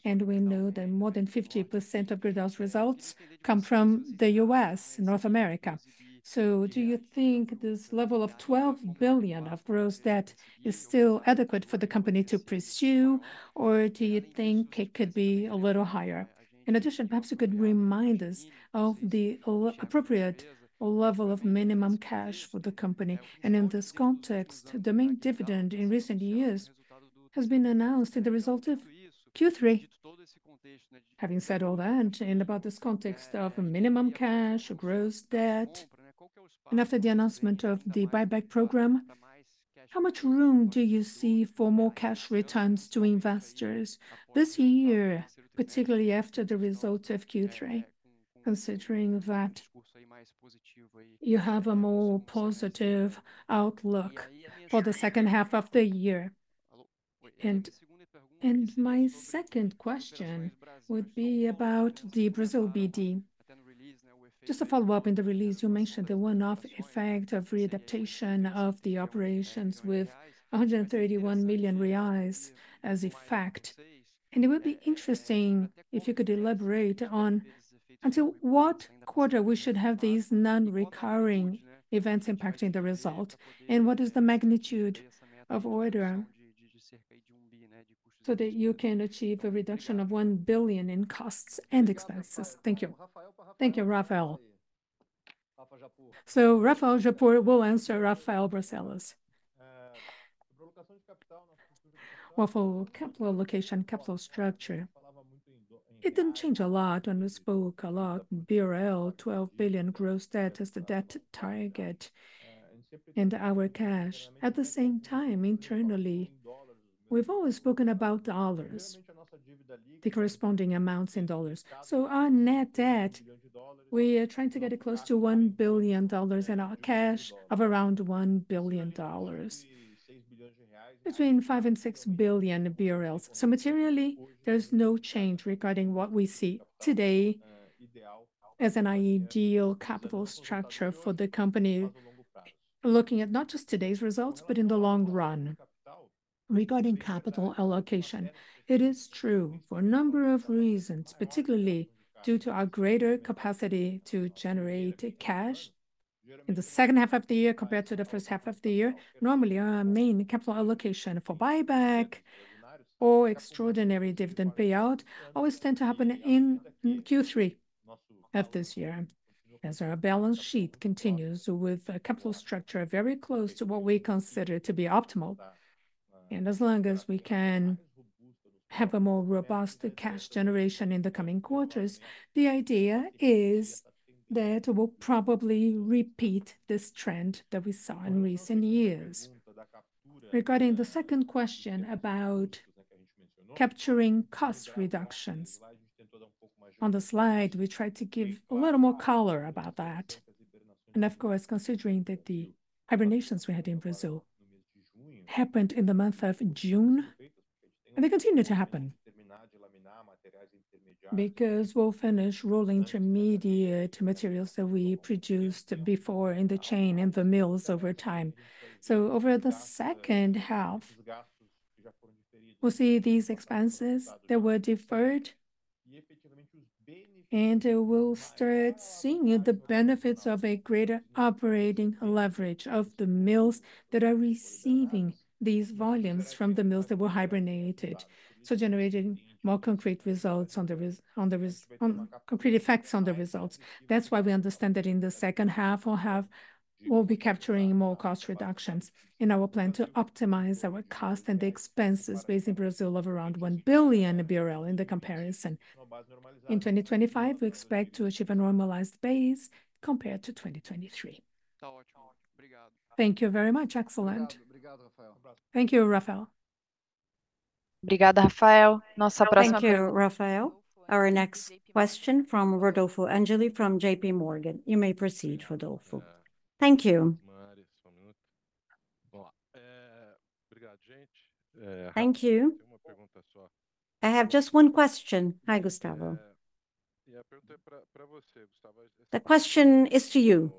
and we know that more than 50% of Gerdau's results come from the U.S., North America. So, do you think this level of 12 billion of gross debt is still adequate for the company to pursue, or do you think it could be a little higher? In addition, perhaps you could remind us of the appropriate level of minimum cash for the company. And in this context, the main dividend in recent years has been announced in the result of Q3. Having said all that, and about this context of a minimum cash, gross debt, and after the announcement of the buyback program, how much room do you see for more cash returns to investors this year, particularly after the results of Q3, considering that you have a more positive outlook for the second half of the year? And, and my second question would be about the Brazil BD. Just a follow-up, in the release you mentioned the one-off effect of readaptation of the operations with 131 million reais as effect, and it would be interesting if you could elaborate on until what quarter we should have these non-recurring events impacting the result, and what is the magnitude of order so that you can achieve a reduction of 1 billion in costs and expenses? Thank you. Thank you, Rafael. So Rafael Japur will answer Rafael Barcellos. Well, for capital allocation, capital structure, it didn't change a lot when we spoke a lot. BRL 12 billion gross debt is the debt target, and our cash. At the same time, internally, we've always spoken about dollars, the corresponding amounts in dollars. So our net debt, we are trying to get it close to $1 billion, and our cash of around $1 billion, between 5 billion and 6 billion BRL. So materially, there's no change regarding what we see today as an ideal capital structure for the company, looking at not just today's results, but in the long run. Regarding capital allocation, it is true, for a number of reasons, particularly due to our greater capacity to generate cash in the second half of the year compared to the first half of the year. Normally, our main capital allocation for buyback or extraordinary dividend payout always tend to happen in Q3 of this year, as our balance sheet continues with a capital structure very close to what we consider to be optimal. As long as we can have a more robust cash generation in the coming quarters, the idea is that we'll probably repeat this trend that we saw in recent years. Regarding the second question about capturing cost reductions, on the slide, we tried to give a little more color about that. Of course, considering that the hibernations we had in Brazil happened in the month of June, and they continue to happen. Because we'll finish rolling intermediate materials that we produced before in the chain, in the mills over time. So over the second half, we'll see these expenses that were deferred, and we'll start seeing the benefits of a greater operating leverage of the mills that are receiving these volumes from the mills that were hibernated. So generating more concrete results on concrete effects on the results. That's why we understand that in the second half we'll be capturing more cost reductions in our plan to optimize our cost and the expenses base in Brazil of around 1 billion BRL in the comparison. In 2025, we expect to achieve a normalized base compared to 2023. Thank you very much. Excellent. Thank you, Rafael. Thank you, Rafael. Our next question from Rodolfo Angeli from J.P. Morgan. You may proceed, Rodolfo. Thank you. Thank you. I have just one question. Hi, Gustavo. The question is to you.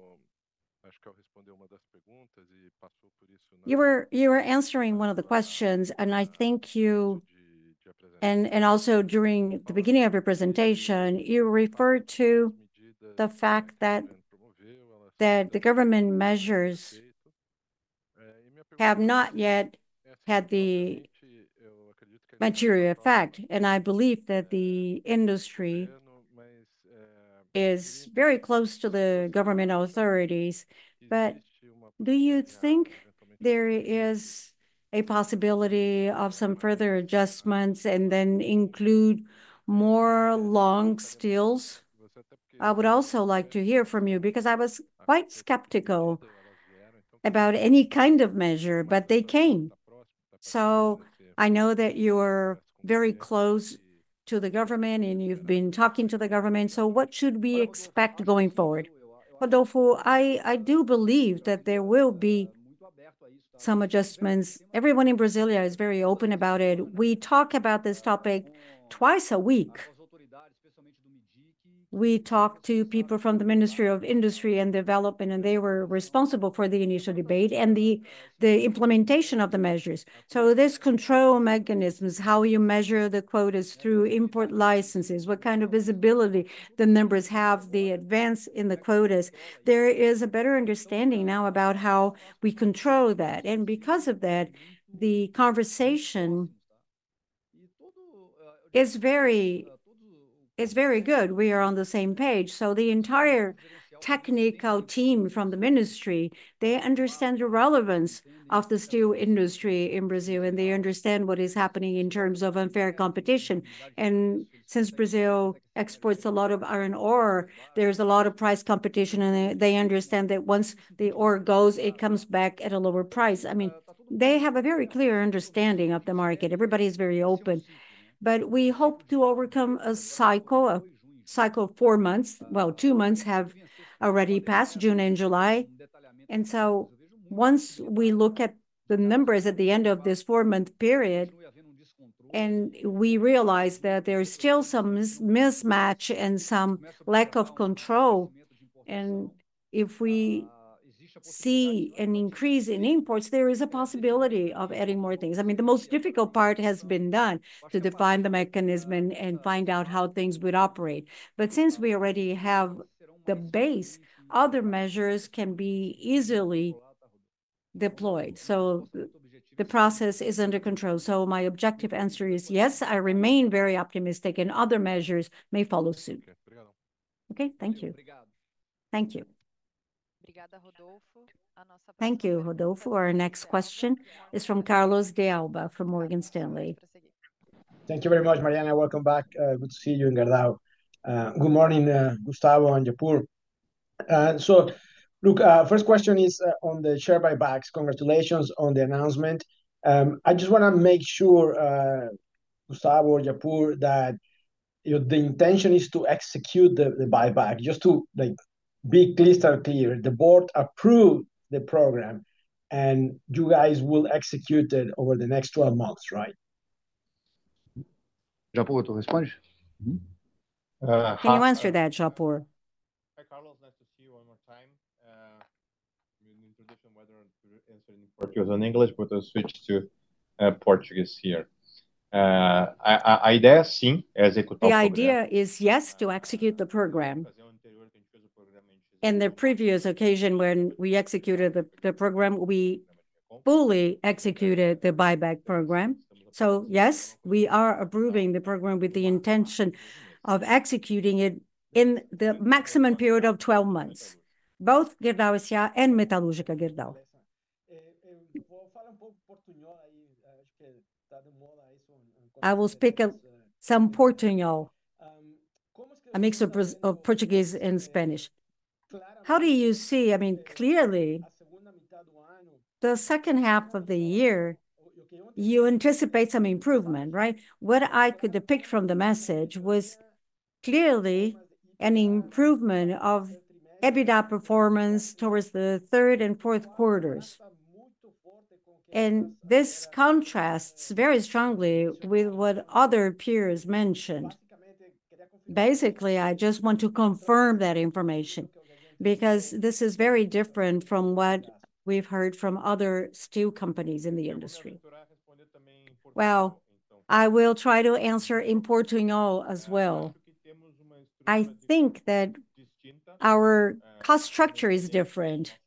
You were answering one of the questions, and I think you and also during the beginning of your presentation, you referred to the fact that the government measures have not yet had the material effect, and I believe that the industry is very close to the government authorities. But do you think there is a possibility of some further adjustments, and then include more long steels? I would also like to hear from you, because I was quite skeptical about any kind of measure, but they came. So I know that you're very close to the government, and you've been talking to the government, so what should we expect going forward? Rodolfo, I do believe that there will be some adjustments. Everyone in Brasília is very open about it. We talk about this topic twice a week. We talk to people from the Ministry of Industry and Development, and they were responsible for the initial debate and the implementation of the measures. So, this control mechanisms, how you measure the quotas through import licenses, what kind of visibility the members have, the advance in the quotas, there is a better understanding now about how we control that, and because of that, the conversation is very good. We are on the same page. So, the entire technical team from the ministry, they understand the relevance of the steel industry in Brazil, and they understand what is happening in terms of unfair competition. Since Brazil exports a lot of iron ore, there's a lot of price competition, and they understand that once the ore goes, it comes back at a lower price. I mean, they have a very clear understanding of the market. Everybody is very open. But we hope to overcome a cycle, a cycle of four months. Well, two months have already passed, June and July. And so once we look at the numbers at the end of this four-month period, and we realize that there is still some mismatch and some lack of control, and if we see an increase in imports, there is a possibility of adding more things. I mean, the most difficult part has been done to define the mechanism and find out how things would operate. Since we already have the base, other measures can be easily deployed, so the process is under control. My objective answer is, yes, I remain very optimistic, and other measures may follow soon. Okay, thank you. Thank you. Thank you, Rodolfo. Our next question is from Carlos de Alba from Morgan Stanley. Thank you very much, Mariana. Welcome back. Good to see you in Gerdau. Good morning, Gustavo and Japur. So look, first question is on the share buybacks. Congratulations on the announcement. I just wanna make sure, Gustavo or Japur, that, you know, the intention is to execute the buyback. Just to, like, be crystal clear, the board approved the program, and you guys will execute it over the next 12 months, right? Japur, want to respond? Mm-hmm. Can you answer that, Japur? Hi, Carlos. Nice to see you one more time. I mean, introduction whether to answer in Portuguese or English, but I'll switch to Portuguese here. The idea is, sim, as execute the program- The idea is, yes, to execute the program. In the previous occasion when we executed the program, we fully executed the buyback program. So yes, we are approving the program with the intention of executing it in the maximum period of 12 months, both Gerdau and Metalúrgica Gerdau. I will speak some Portuñol. I will speak some Portuñol, a mixture of Portuguese and Spanish. How do you see, I mean, clearly, the second half of the year, you anticipate some improvement, right? What I could depict from the message was clearly an improvement of EBITDA performance towards the third and fourth quarters, and this contrasts very strongly with what other peers mentioned. Basically, I just want to confirm that information, because this is very different from what we've heard from other steel companies in the industry. Well, I will try to answer in Portuñol as well. I think that our cost structure is different,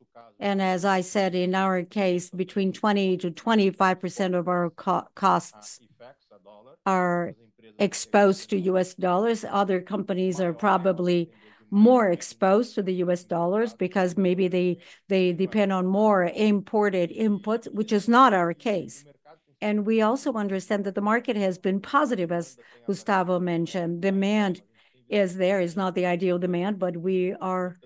and as I said, in our case, between 20%-25% of our costs are exposed to US dollars. Other companies are probably more exposed to the US dollars because maybe they, they depend on more imported inputs, which is not our case. And we also understand that the market has been positive, as Gustavo mentioned. Demand is there. It's not the ideal demand, but we are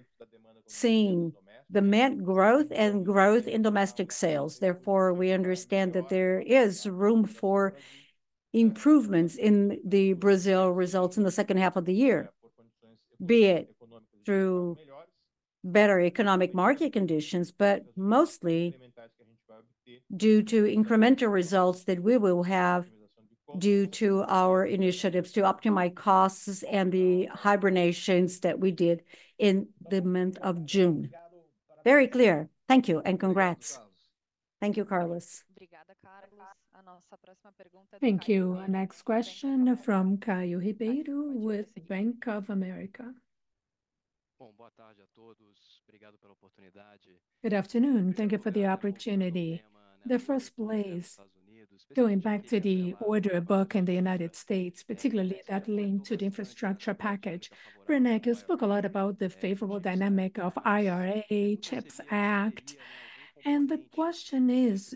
seeing demand growth and growth in domestic sales. Therefore, we understand that there is room for improvements in the Brazil results in the second half of the year, be it through better economic market conditions, but mostly due to incremental results that we will have due to our initiatives to optimize costs and the hibernations that we did in the month of June. Very clear. Thank you, and congrats. Thank you, Carlos. Thank you. Our next question from Caio Ribeiro with Bank of America. Good afternoon. Thank you for the opportunity. The first place, going back to the order book in the United States, particularly that linked to the infrastructure package, Werneck, you spoke a lot about the favorable dynamic of IRA, CHIPS Act, and the question is: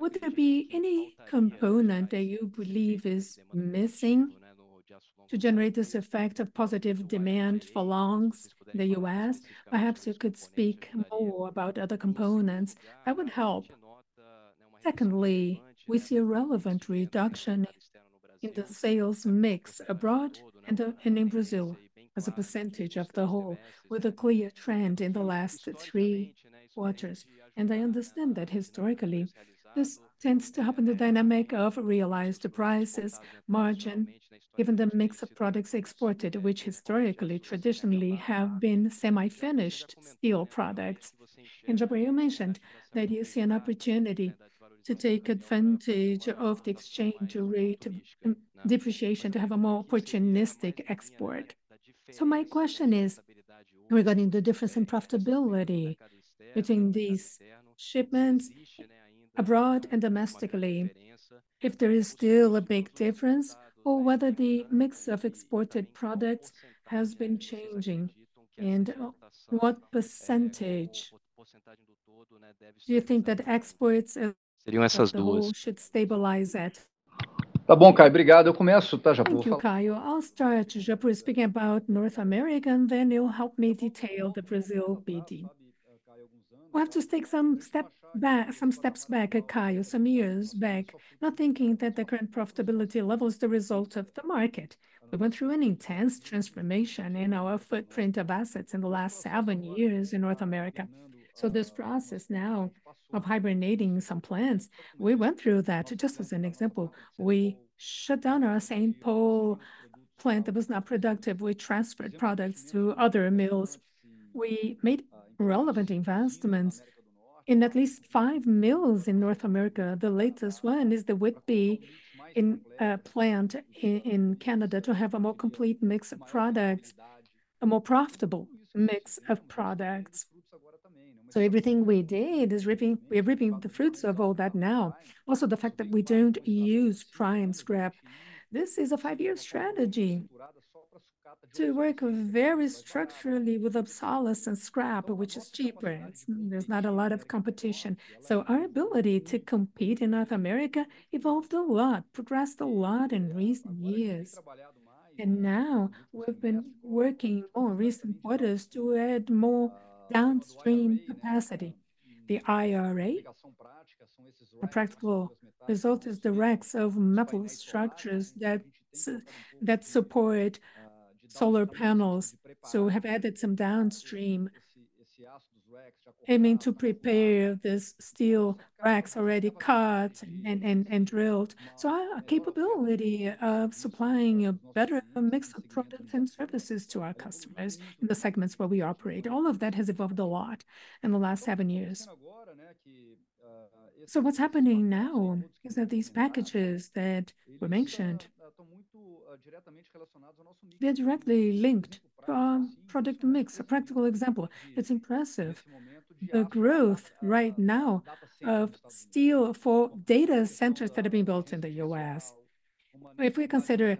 Would there be any component that you believe is missing to generate this effect of positive demand for longs in the US? Perhaps you could speak more about other components. That would help. Secondly, we see a relevant reduction in the sales mix abroad and, and in Brazil as a percentage of the whole, with a clear trend in the last three quarters. And I understand that historically, this tends to happen, the dynamic of realized prices, margin, given the mix of products exported, which historically, traditionally have been semi-finished steel products. Japur, you mentioned that you see an opportunity to take advantage of the exchange rate depreciation to have a more opportunistic export. So my question is regarding the difference in profitability between these shipments abroad and domestically, if there is still a big difference, or whether the mix of exported products has been changing, and what percentage do you think that exports should stabilize at? Thank you, Caio. I'll start, Japur, speaking about North America, and then you'll help me detail the Brazil PD. We'll have to take some step back, some steps back, Caio, some years back, not thinking that the current profitability level is the result of the market. We went through an intense transformation in our footprint of assets in the last seven years in North America. So, this process now of hibernating some plants, we went through that. Just as an example, we shut down our Saint Paul plant that was not productive. We transferred products to other mills. We made relevant investments in at least five mills in North America. The latest one is the Whitby plant in Canada, to have a more complete mix of products, a more profitable mix of products. So, everything we did is reaping, we are reaping the fruits of all that now. Also, the fact that we don't use prime scrap. This is a five-year strategy, to work very structurally with obsolescence scrap, which is cheaper. There's not a lot of competition. So, our ability to compete in North America evolved a lot, progressed a lot in recent years. And now we've been working on recent quarters to add more downstream capacity. The IRA, the practical result, is the racks of metal structures that support solar panels, so have added some downstream, aiming to prepare these steel racks already cut and drilled. So our capability of supplying a better mix of products and services to our customers in the segments where we operate, all of that has evolved a lot in the last seven years. So what's happening now is that these packages that were mentioned, they're directly linked to our product mix. A practical example, it's impressive, the growth right now of steel for data centers that are being built in the U.S. If we consider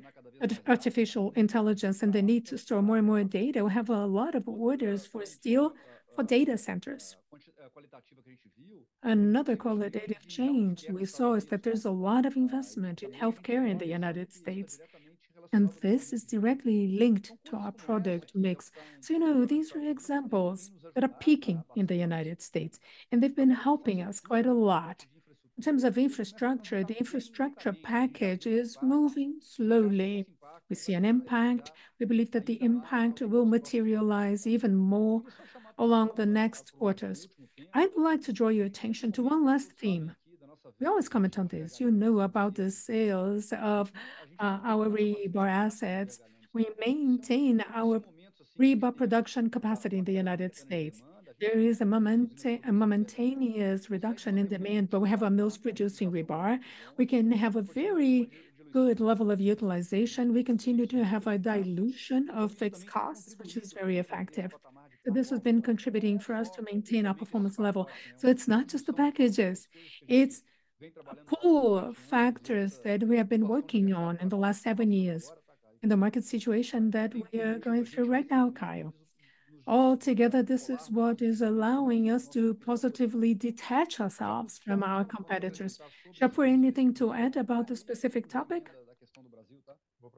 artificial intelligence and the need to store more and more data, we have a lot of orders for steel, for data centers. Another qualitative change we saw is that there's a lot of investment in healthcare in the United States, and this is directly linked to our product mix. So, you know, these are examples that are peaking in the United States, and they've been helping us quite a lot. In terms of infrastructure, the infrastructure package is moving slowly. We see an impact. We believe that the impact will materialize even more along the next quarters. I'd like to draw your attention to one last theme. We always comment on this. You know about the sales of our rebar assets. We maintain our rebar production capacity in the United States. There is a momentary reduction in demand, but we have our mills producing rebar. We can have a very good level of utilization. We continue to have a dilution of fixed costs, which is very effective. So this has been contributing for us to maintain our performance level. So it's not just the packages, it's core factors that we have been working on in the last seven years, in the market situation that we are going through right now, Caio. All together, this is what is allowing us to positively detach ourselves from our competitors. Japur, anything to add about this specific topic?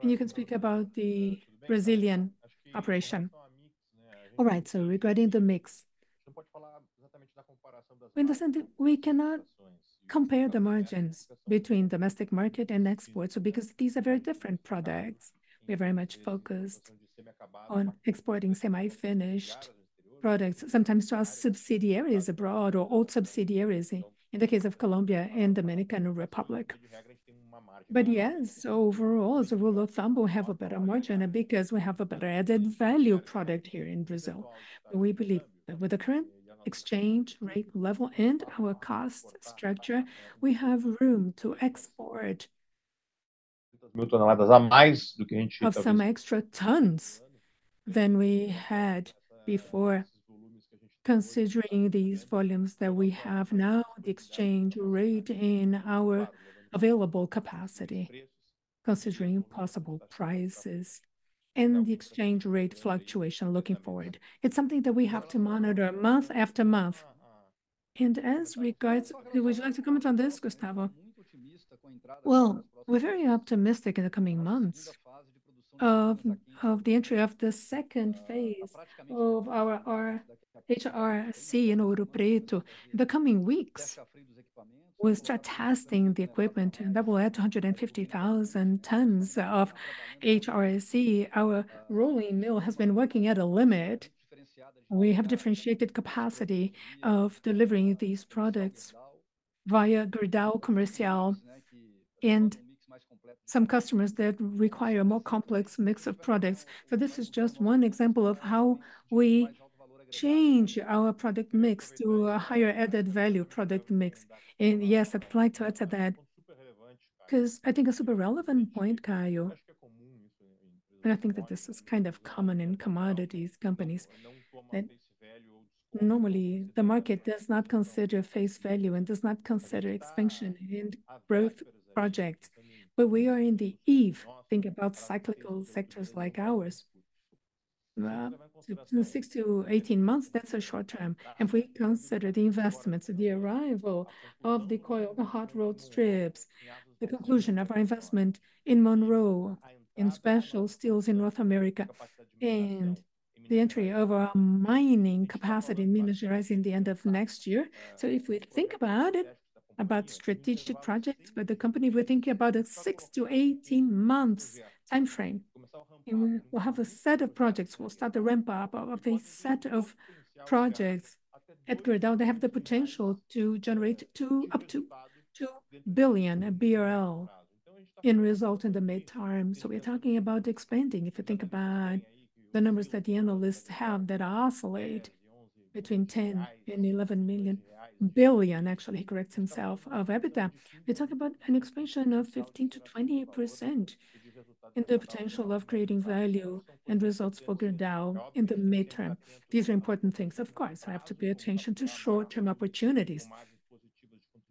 And you can speak about the Brazilian operation. All right, so regarding the mix, we understand we cannot compare the margins between domestic market and exports, because these are very different products. We're very much focused on exporting semi-finished products, sometimes to our subsidiaries abroad or our old subsidiaries in the case of Colombia and Dominican Republic. But yes, overall, as a rule of thumb, we'll have a better margin, and because we have a better added value product here in Brazil, we believe that with the current exchange rate level and our cost structure, we have room to export of some extra tons than we had before. Considering these volumes that we have now, the exchange rate and our available capacity, considering possible prices and the exchange rate fluctuation looking forward, it's something that we have to monitor month after month. And as regards, would you like to comment on this, Gustavo? Well, we're very optimistic in the coming months of the entry of the second phase of our HRSC in Ouro Preto. In the coming weeks, we'll start testing the equipment, and that will add 250,000 tons of HRSC. Our rolling mill has been working at a limit. We have differentiated capacity of delivering these products via Gerdau Comercial, and some customers that require a more complex mix of products. So this is just one example of how we change our product mix to a higher added value product mix. And yes, I'd like to add to that, 'cause I think a super relevant point, Caio, and I think that this is kind of common in commodities companies, that normally the market does not consider face value and does not consider expansion in growth projects. But we are in the eve. Think about cyclical sectors like ours. To 6-18 months, that's a short term, and if we consider the investments, the arrival of the coil, the hot rolled strips, the conclusion of our investment in Monroe, in Special Steels in North America, and the entry of our mining capacity in Minas Gerais in the end of next year. So if we think about it, about strategic projects, but the company, we're thinking about a 6-18 months timeframe, and we will have a set of projects. We'll start the ramp-up of a set of projects at Gerdau. They have the potential to generate two up to 2 billion BRL in result in the mid-term. So we're talking about expanding. If you think about the numbers that the analysts have that oscillate between 10 and 11 million, billion, actually, he corrects himself, of EBITDA. We're talking about an expansion of 15%-20% in the potential of creating value and results for Gerdau in the mid-term. These are important things. Of course, I have to pay attention to short-term opportunities,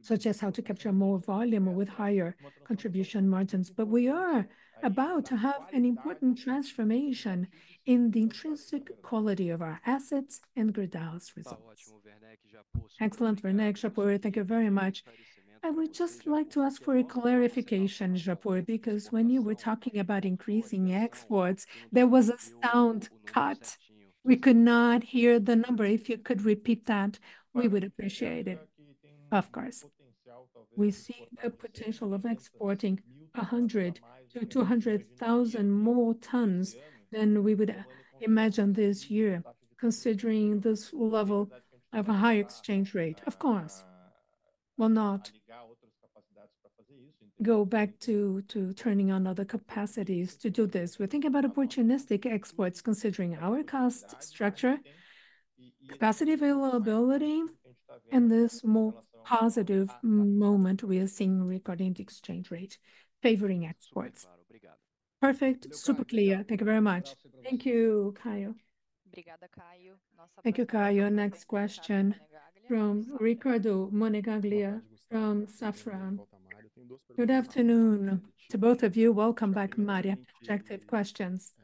such as how to capture more volume or with higher contribution margins. But we are about to have an important transformation in the intrinsic quality of our assets and Gerdau's results. Excellent, Werneck, Japur, thank you very much. I would just like to ask for a clarification, Japur, because when you were talking about increasing exports, there was a sound cut. We could not hear the number. If you could repeat that, we would appreciate it. Of course. We see a potential of exporting 100,000-200,000 more tons than we would imagine this year, considering this level of a high exchange rate. Of course, we'll not go back to turning on other capacities to do this. We're thinking about opportunistic exports, considering our cost structure, capacity availability, and this more positive moment we are seeing regarding the exchange rate favoring exports. Perfect. Super clear. Thank you very much. Thank you, Caio. Thank you, Caio. Next question from Ricardo Monegaglia from Safra. Good afternoon to both of you. Welcome back, Maria. Objective questions.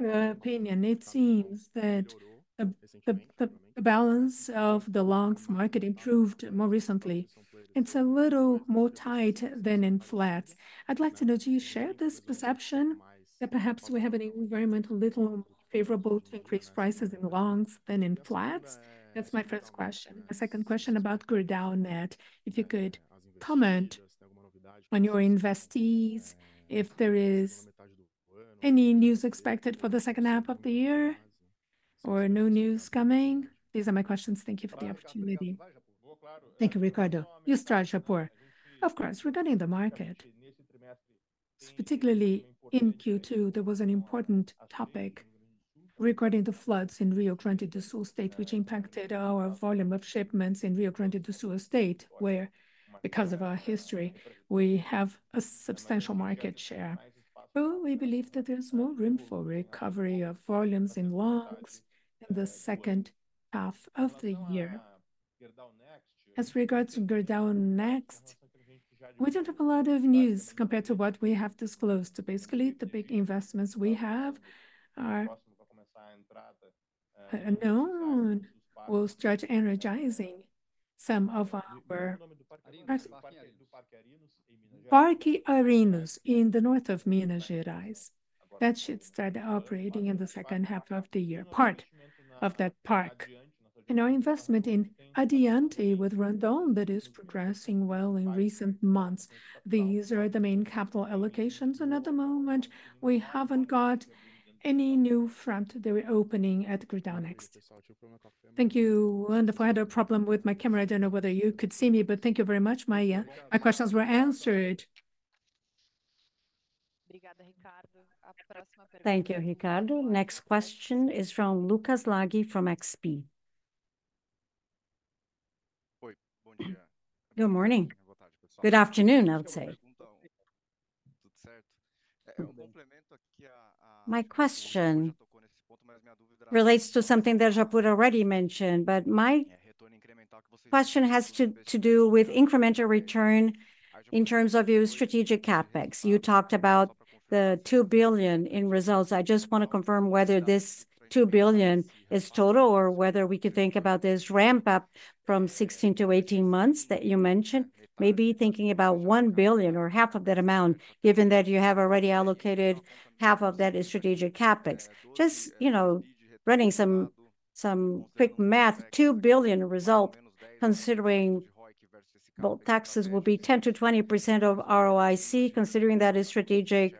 In our opinion, it seems that the balance of the longs market improved more recently. It's a little more tight than in flats. I'd like to know, do you share this perception that perhaps we have an environment a little more favorable to increase prices in longs than in flats? That's my first question. My second question about Gerdau's M&A, if you could comment on your investees, if there is any news expected for the second half of the year, or no news coming? These are my questions. Thank you for the opportunity. Thank you, Ricardo. You start, Japur. Of course, regarding the market, particularly in Q2, there was an important topic regarding the floods in Rio Grande do Sul State, which impacted our volume of shipments in Rio Grande do Sul State, where, because of our history, we have a substantial market share. But we believe that there is more room for recovery of volumes in longs in the second half of the year. As regards to Gerdau Next, we don't have a lot of news compared to what we have disclosed. Basically, the big investments we have are known. We'll start energizing some of our Parque Arenas in the north of Minas Gerais. That should start operating in the second half of the year, part of that park. Our investment in Addiante with Randon, that is progressing well in recent months. These are the main capital allocations, and at the moment, we haven't got any new front that we're opening at Gerdau Next. Thank you. Wonderful. I had a problem with my camera. I don't know whether you could see me but, thank you very much. My, my questions were answered. Thank you, Ricardo. Next question is from Lucas Laghi, from XP. Good morning. Good afternoon, I would say. My question relates to something that Japur already mentioned, but my question has to do with incremental return in terms of your strategic CapEx. You talked about the 2 billion in results. I just wanna confirm whether this 2 billion is total, or whether we could think about this ramp up from 16 to 18 months that you mentioned. Maybe thinking about 1 billion or half of that amount, given that you have already allocated half of that in strategic CapEx. You know, running some quick math, 2 billion result, considering both taxes will be 10%-20% of ROIC, considering that is strategic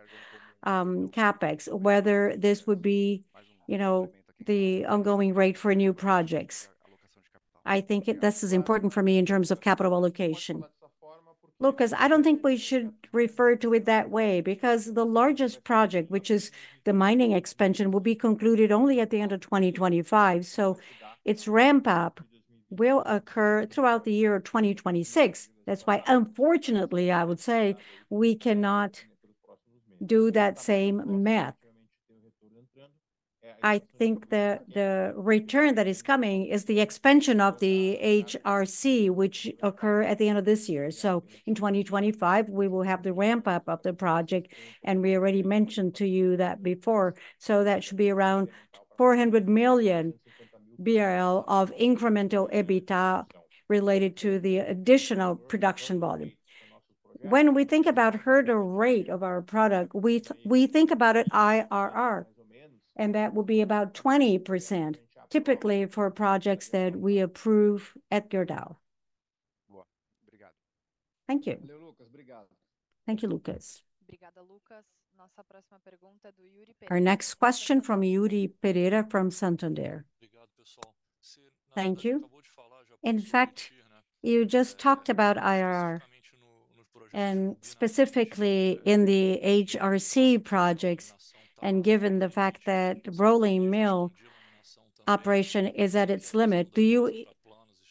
CapEx, whether this would be, you know, the ongoing rate for new projects. I think it—this is important for me in terms of capital allocation. Lucas, I don't think we should refer to it that way, because the largest project, which is the mining expansion, will be concluded only at the end of 2025, so its ramp up will occur throughout the year of 2026. That's why, unfortunately, I would say, we cannot do that same math. I think the return that is coming is the expansion of the HRC, which occur at the end of this year. So in 2025, we will have the ramp up of the project, and we already mentioned to you that before. So that should be around 400 million BRL of incremental EBITDA related to the additional production volume. When we think about hurdle rate of our product, we think about it IRR, and that will be about 20%, typically for projects that we approve at Gerdau. Thank you. Thank you, Lucas. Our next question from Yuri Pereira from Santander. Thank you. In fact, you just talked about IRR, and specifically in the HRC projects, and given the fact that rolling mill operation is at its limit,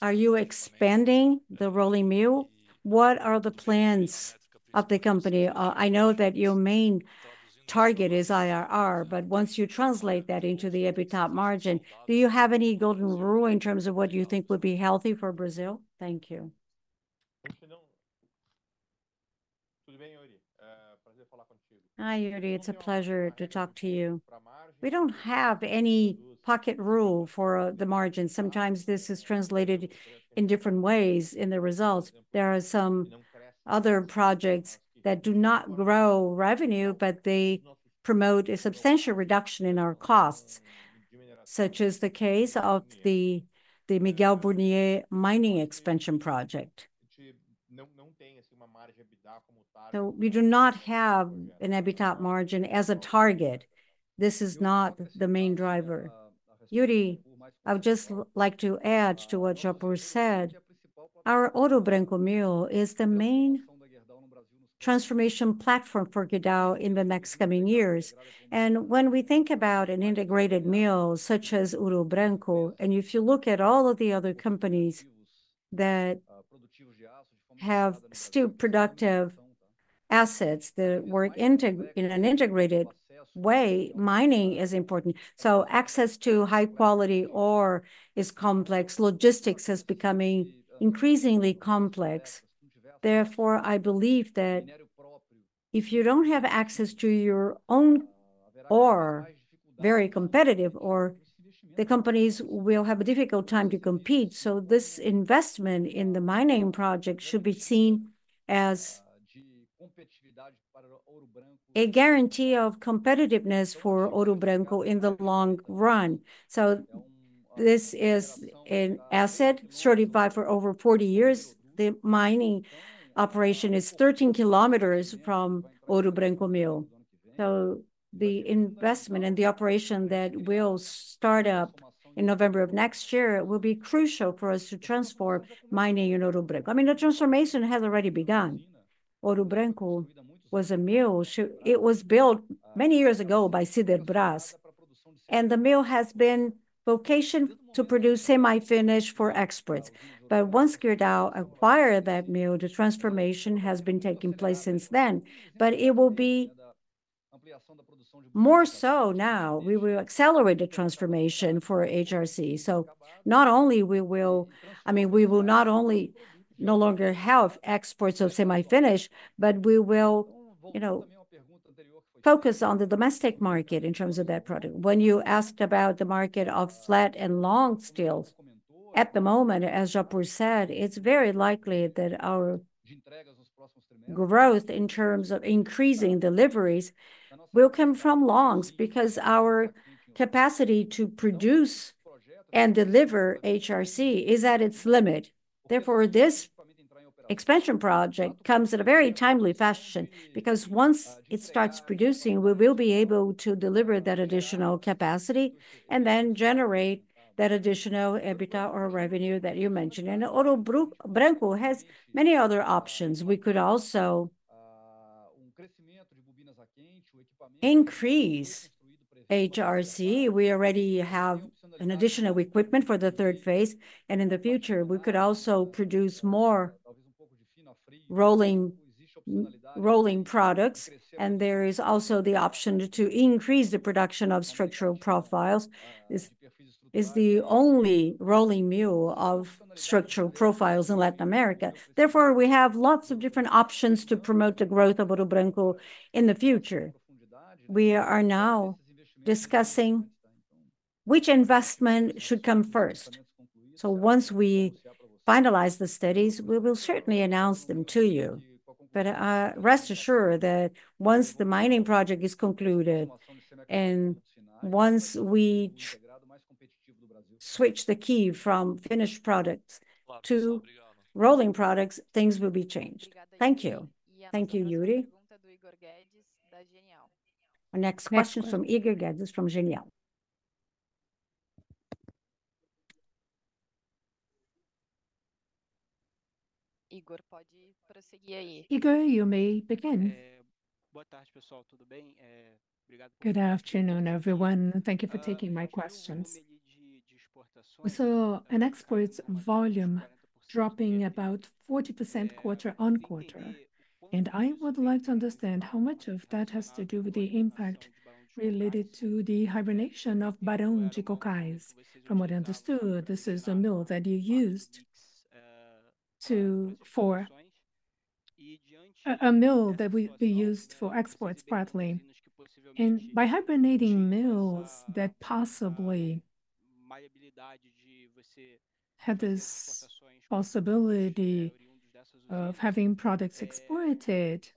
are you expanding the rolling mill? What are the plans of the company? I know that your main target is IRR, but once you translate that into the EBITDA margin, do you have any golden rule in terms of what you think would be healthy for Brazil? Thank you. Hi, Yuri. It's a pleasure to talk to you. We don't have any pocket rule for the margin. Sometimes this is translated in different ways in the results. There are some other projects that do not grow revenue, but they promote a substantial reduction in our costs, such as the case of the Miguel Burnier mining expansion project. So we do not have an EBITDA margin as a target. This is not the main driver. Yuri, I would just like to add to what Japur said, our Ouro Branco mill is the main transformation platform for Gerdau in the next coming years. And when we think about an integrated mill, such as Ouro Branco, and if you look at all of the other companies that have steel productive assets that work in an integrated way, mining is important. So, access to high quality ore is complex. Logistics is becoming increasingly complex. Therefore, I believe that if you don't have access to your own ore, very competitive ore, the companies will have a difficult time to compete. So, this investment in the mining project should be seen as a guarantee of competitiveness for Ouro Branco in the long run. So, this is an asset certified for over 40 years. The mining operation is 13 kilometers from Ouro Branco mill. So, the investment and the operation that will start up in November of next year will be crucial for us to transform mining in Ouro Branco. I mean, the transformation has already begun. Ouro Branco was a mill. It was built many years ago by Siderbras, and the mill has been vocation to produce semi-finish for exports. But once Gerdau acquired that mill, the transformation has been taking place since then, but it will be more so now. We will accelerate the transformation for HRC. So not only we will... I mean, we will not only no longer have exports of semi-finished, but we will, you know, focus on the domestic market in terms of that product. When you asked about the market of flat and long steels, at the moment, as Japur said, it's very likely that our growth in terms of increasing deliveries will come from longs, because our capacity to produce and deliver HRC is at its limit. Therefore, this expansion project comes at a very timely fashion, because once it starts producing, we will be able to deliver that additional capacity and then generate that additional EBITDA or revenue that you mentioned. And Ouro Branco has many other options. We could also increase HRC. We already have an additional equipment for the third phase, and in the future, we could also produce more rolling, rolling products, and there is also the option to increase the production of structural profiles. This is the only rolling mill of structural profiles in Latin America. Therefore, we have lots of different options to promote the growth of Ouro Branco in the future. We are now discussing which investment should come first. Once we finalize the studies, we will certainly announce them to you. But, rest assured that once the mining project is concluded, and once we switch the key from finished products to rolling products, things will be changed. Thank you. Thank you, Yuri. Our next question is from Igor Guedes from Genial. Igor, you may begin. Good afternoon, everyone, and thank you for taking my questions. We saw an exports volume dropping about 40% quarter-on-quarter, and I would like to understand how much of that has to do with the impact related to the hibernation of Barão de Cocais. From what I understood, this is a mill that we used for exports partly. And by hibernating mills that possibly had this possibility of having products exported,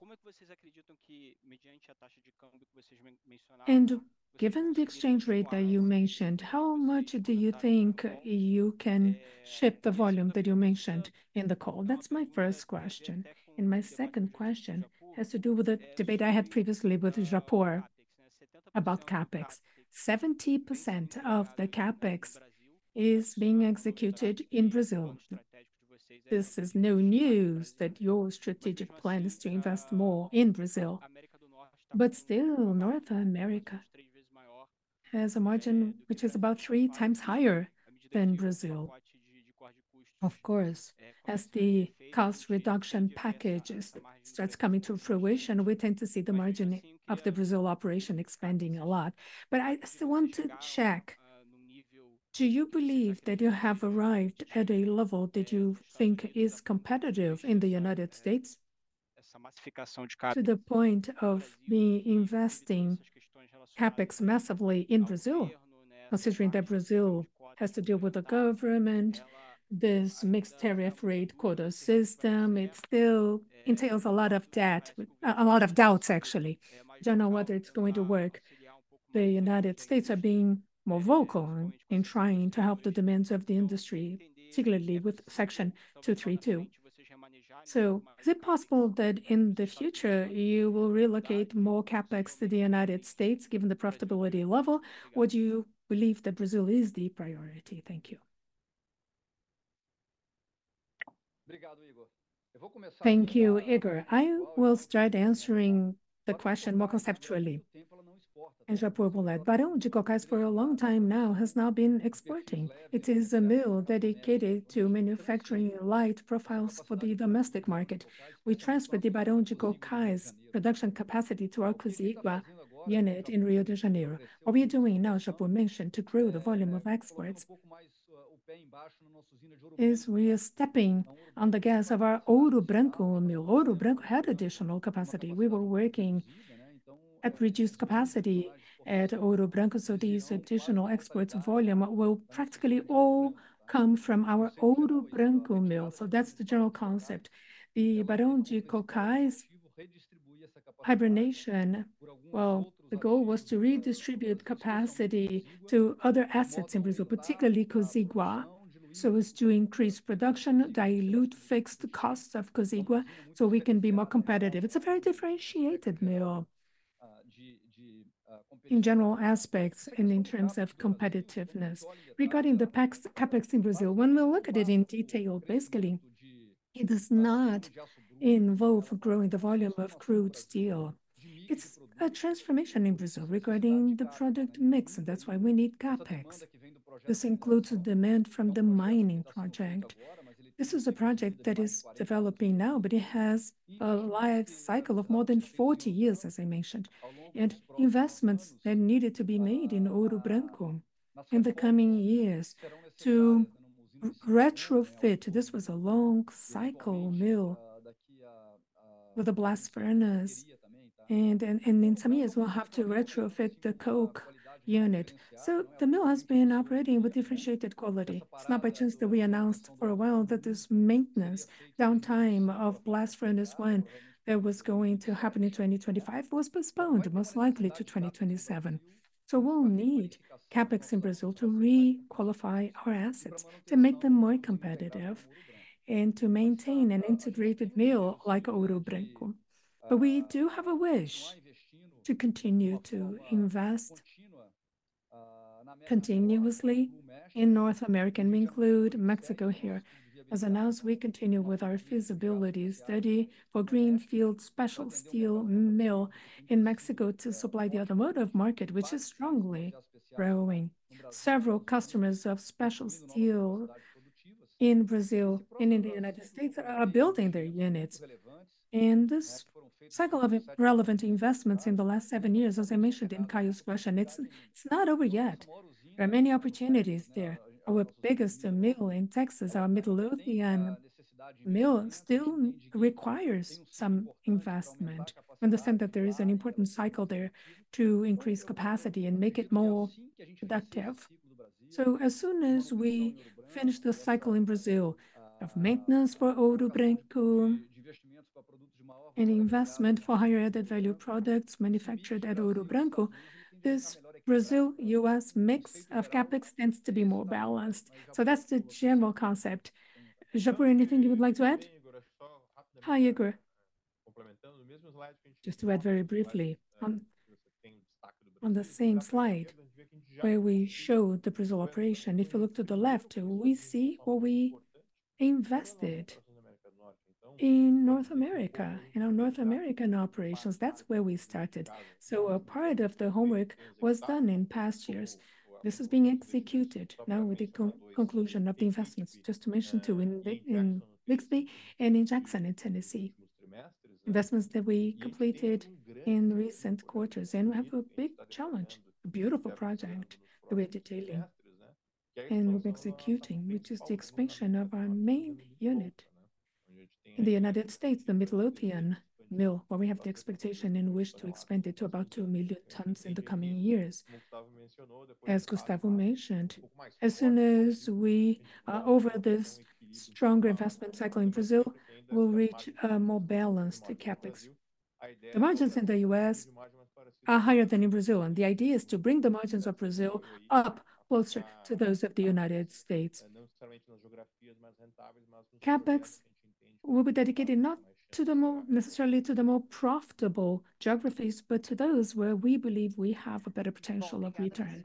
and given the exchange rate that you mentioned, how much do you think you can ship the volume that you mentioned in the call? That's my first question. And my second question has to do with the debate I had previously with Japur about CapEx. 70% of the CapEx is being executed in Brazil. This is no news that your strategic plan is to invest more in Brazil. But still, North America has a margin which is about three times higher than Brazil. Of course, as the cost reduction package starts coming to fruition, we tend to see the margin of the Brazil operation expanding a lot. But I still want to check, do you believe that you have arrived at a level that you think is competitive in the United States, to the point of me investing CapEx massively in Brazil? Considering that Brazil has to deal with the government, this mixed tariff rate quota system, it still entails a lot of debt, a lot of doubts, actually. Don't know whether it's going to work. The United States are being more vocal in trying to help the demands of the industry, particularly with Section 232. So is it possible that in the future you will relocate more CapEx to the United States, given the profitability level? Or do you believe that Brazil is the priority? Thank you. Thank you, Igor. I will start answering the question more conceptually, and Japur will lead. Barão de Cocais, for a long time now, has not been exporting. It is a mill dedicated to manufacturing light profiles for the domestic market. We transferred the Barão de Cocais production capacity to our Cosigua unit in Rio de Janeiro. What we are doing now, Japur mentioned, to grow the volume of exports, is we are stepping on the gas of our Ouro Branco mill. Ouro Branco had additional capacity. We were working at reduced capacity at Ouro Branco, so these additional exports volume will practically all come from our Ouro Branco mill. So that's the general concept. The Barão de Cocais hibernation, well, the goal was to redistribute capacity to other assets in Brazil, particularly Cosigua. So it's to increase production, dilute fixed costs of Cosigua, so we can be more competitive. It's a very differentiated mill in general aspects and in terms of competitiveness. Regarding the CapEx in Brazil, when we look at it in detail, basically, it does not involve growing the volume of crude steel. It's a transformation in Brazil regarding the product mix, and that's why we need CapEx. This includes the demand from the mining project. This is a project that is developing now, but it has a life cycle of more than 40 years, as I mentioned, and investments that needed to be made in Ouro Branco in the coming years to retrofit. This was a long cycle mill with a blast furnace, and then, and in some years, we'll have to retrofit the coke unit. So the mill has been operating with differentiated quality. It's not by chance that we announced for a while that this maintenance, downtime of blast furnace one that was going to happen in 2025, was postponed, most likely to 2027. So we'll need CapEx in Brazil to re-qualify our assets, to make them more competitive, and to maintain an integrated mill like Ouro Branco. But we do have a wish to continue to invest continuously in North America, and we include Mexico here. As announced, we continue with our feasibility study for greenfield special steel mill in Mexico to supply the automotive market, which is strongly growing. Several customers of special steel in Brazil and in the United States are building their units. This cycle of relevant investments in the last 7 years, as I mentioned in Caio's question, it's, it's not over yet. There are many opportunities there. Our biggest mill in Texas, our Midlothian mill, still requires some investment. Understand that there is an important cycle there to increase capacity and make it more productive. So as soon as we finish the cycle in Brazil, of maintenance for Ouro Branco and investment for higher added-value products manufactured at Ouro Branco, this Brazil, U.S. mix of CapEx tends to be more balanced. So that's the general concept. Japur, anything you would like to add? Hi, Igor. Just to add very briefly on, on the same slide where we showed the Brazil operation, if you look to the left, we see what we invested in North America, in our North American operations. That's where we started. So a part of the homework was done in past years. This is being executed now with the conclusion of the investments, just to mention two, in Bixby and in Jackson, in Tennessee. Investments that we completed in recent quarters, and we have a big challenge, a beautiful project we are detailing and we're executing, which is the expansion of our main unit in the United States, the Midlothian mill, where we have the expectation and wish to expand it to about 2 million tons in the coming years. As Gustavo mentioned, as soon as we are over this stronger investment cycle in Brazil, we'll reach a more balanced CapEx. The margins in the U.S. are higher than in Brazil, and the idea is to bring the margins of Brazil up closer to those of the United States. CapEx will be dedicated not to the more... necessarily to the more profitable geographies, but to those where we believe we have a better potential of return.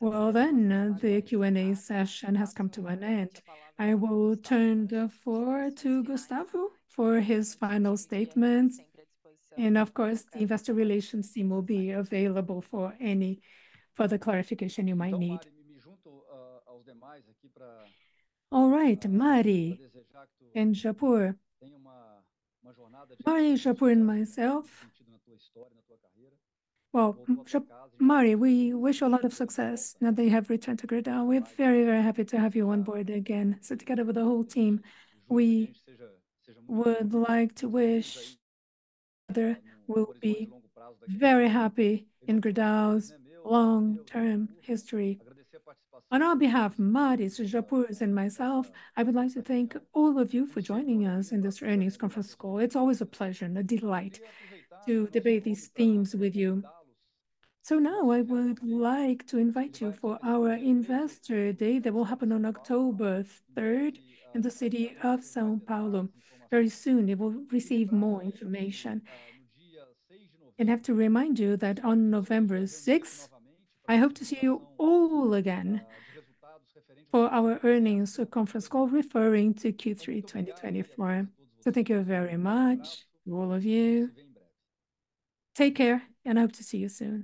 Well, then, the Q&A session has come to an end. I will turn the floor to Gustavo for his final statements. Of course, the investor relations team will be available for any further clarification you might need. All right, Mari and Japur. Mari, Japur, and myself. Well, Mari, we wish you a lot of success now that you have returned to Gerdau. We're very, very happy to have you on board again. So together with the whole team, we would like to wish there will be very happy in Gerdau's long-term history. On our behalf, Mari's, Japur's, and myself, I would like to thank all of you for joining us in this earnings conference call. It's always a pleasure and a delight to debate these themes with you. Now I would like to invite you for our Investor Day that will happen on October 3rd in the city of São Paulo. Very soon, you will receive more information. I have to remind you that on November 6th, I hope to see you all again for our earnings conference call, referring to Q3 2024. Thank you very much, all of you. Take care, and I hope to see you soon.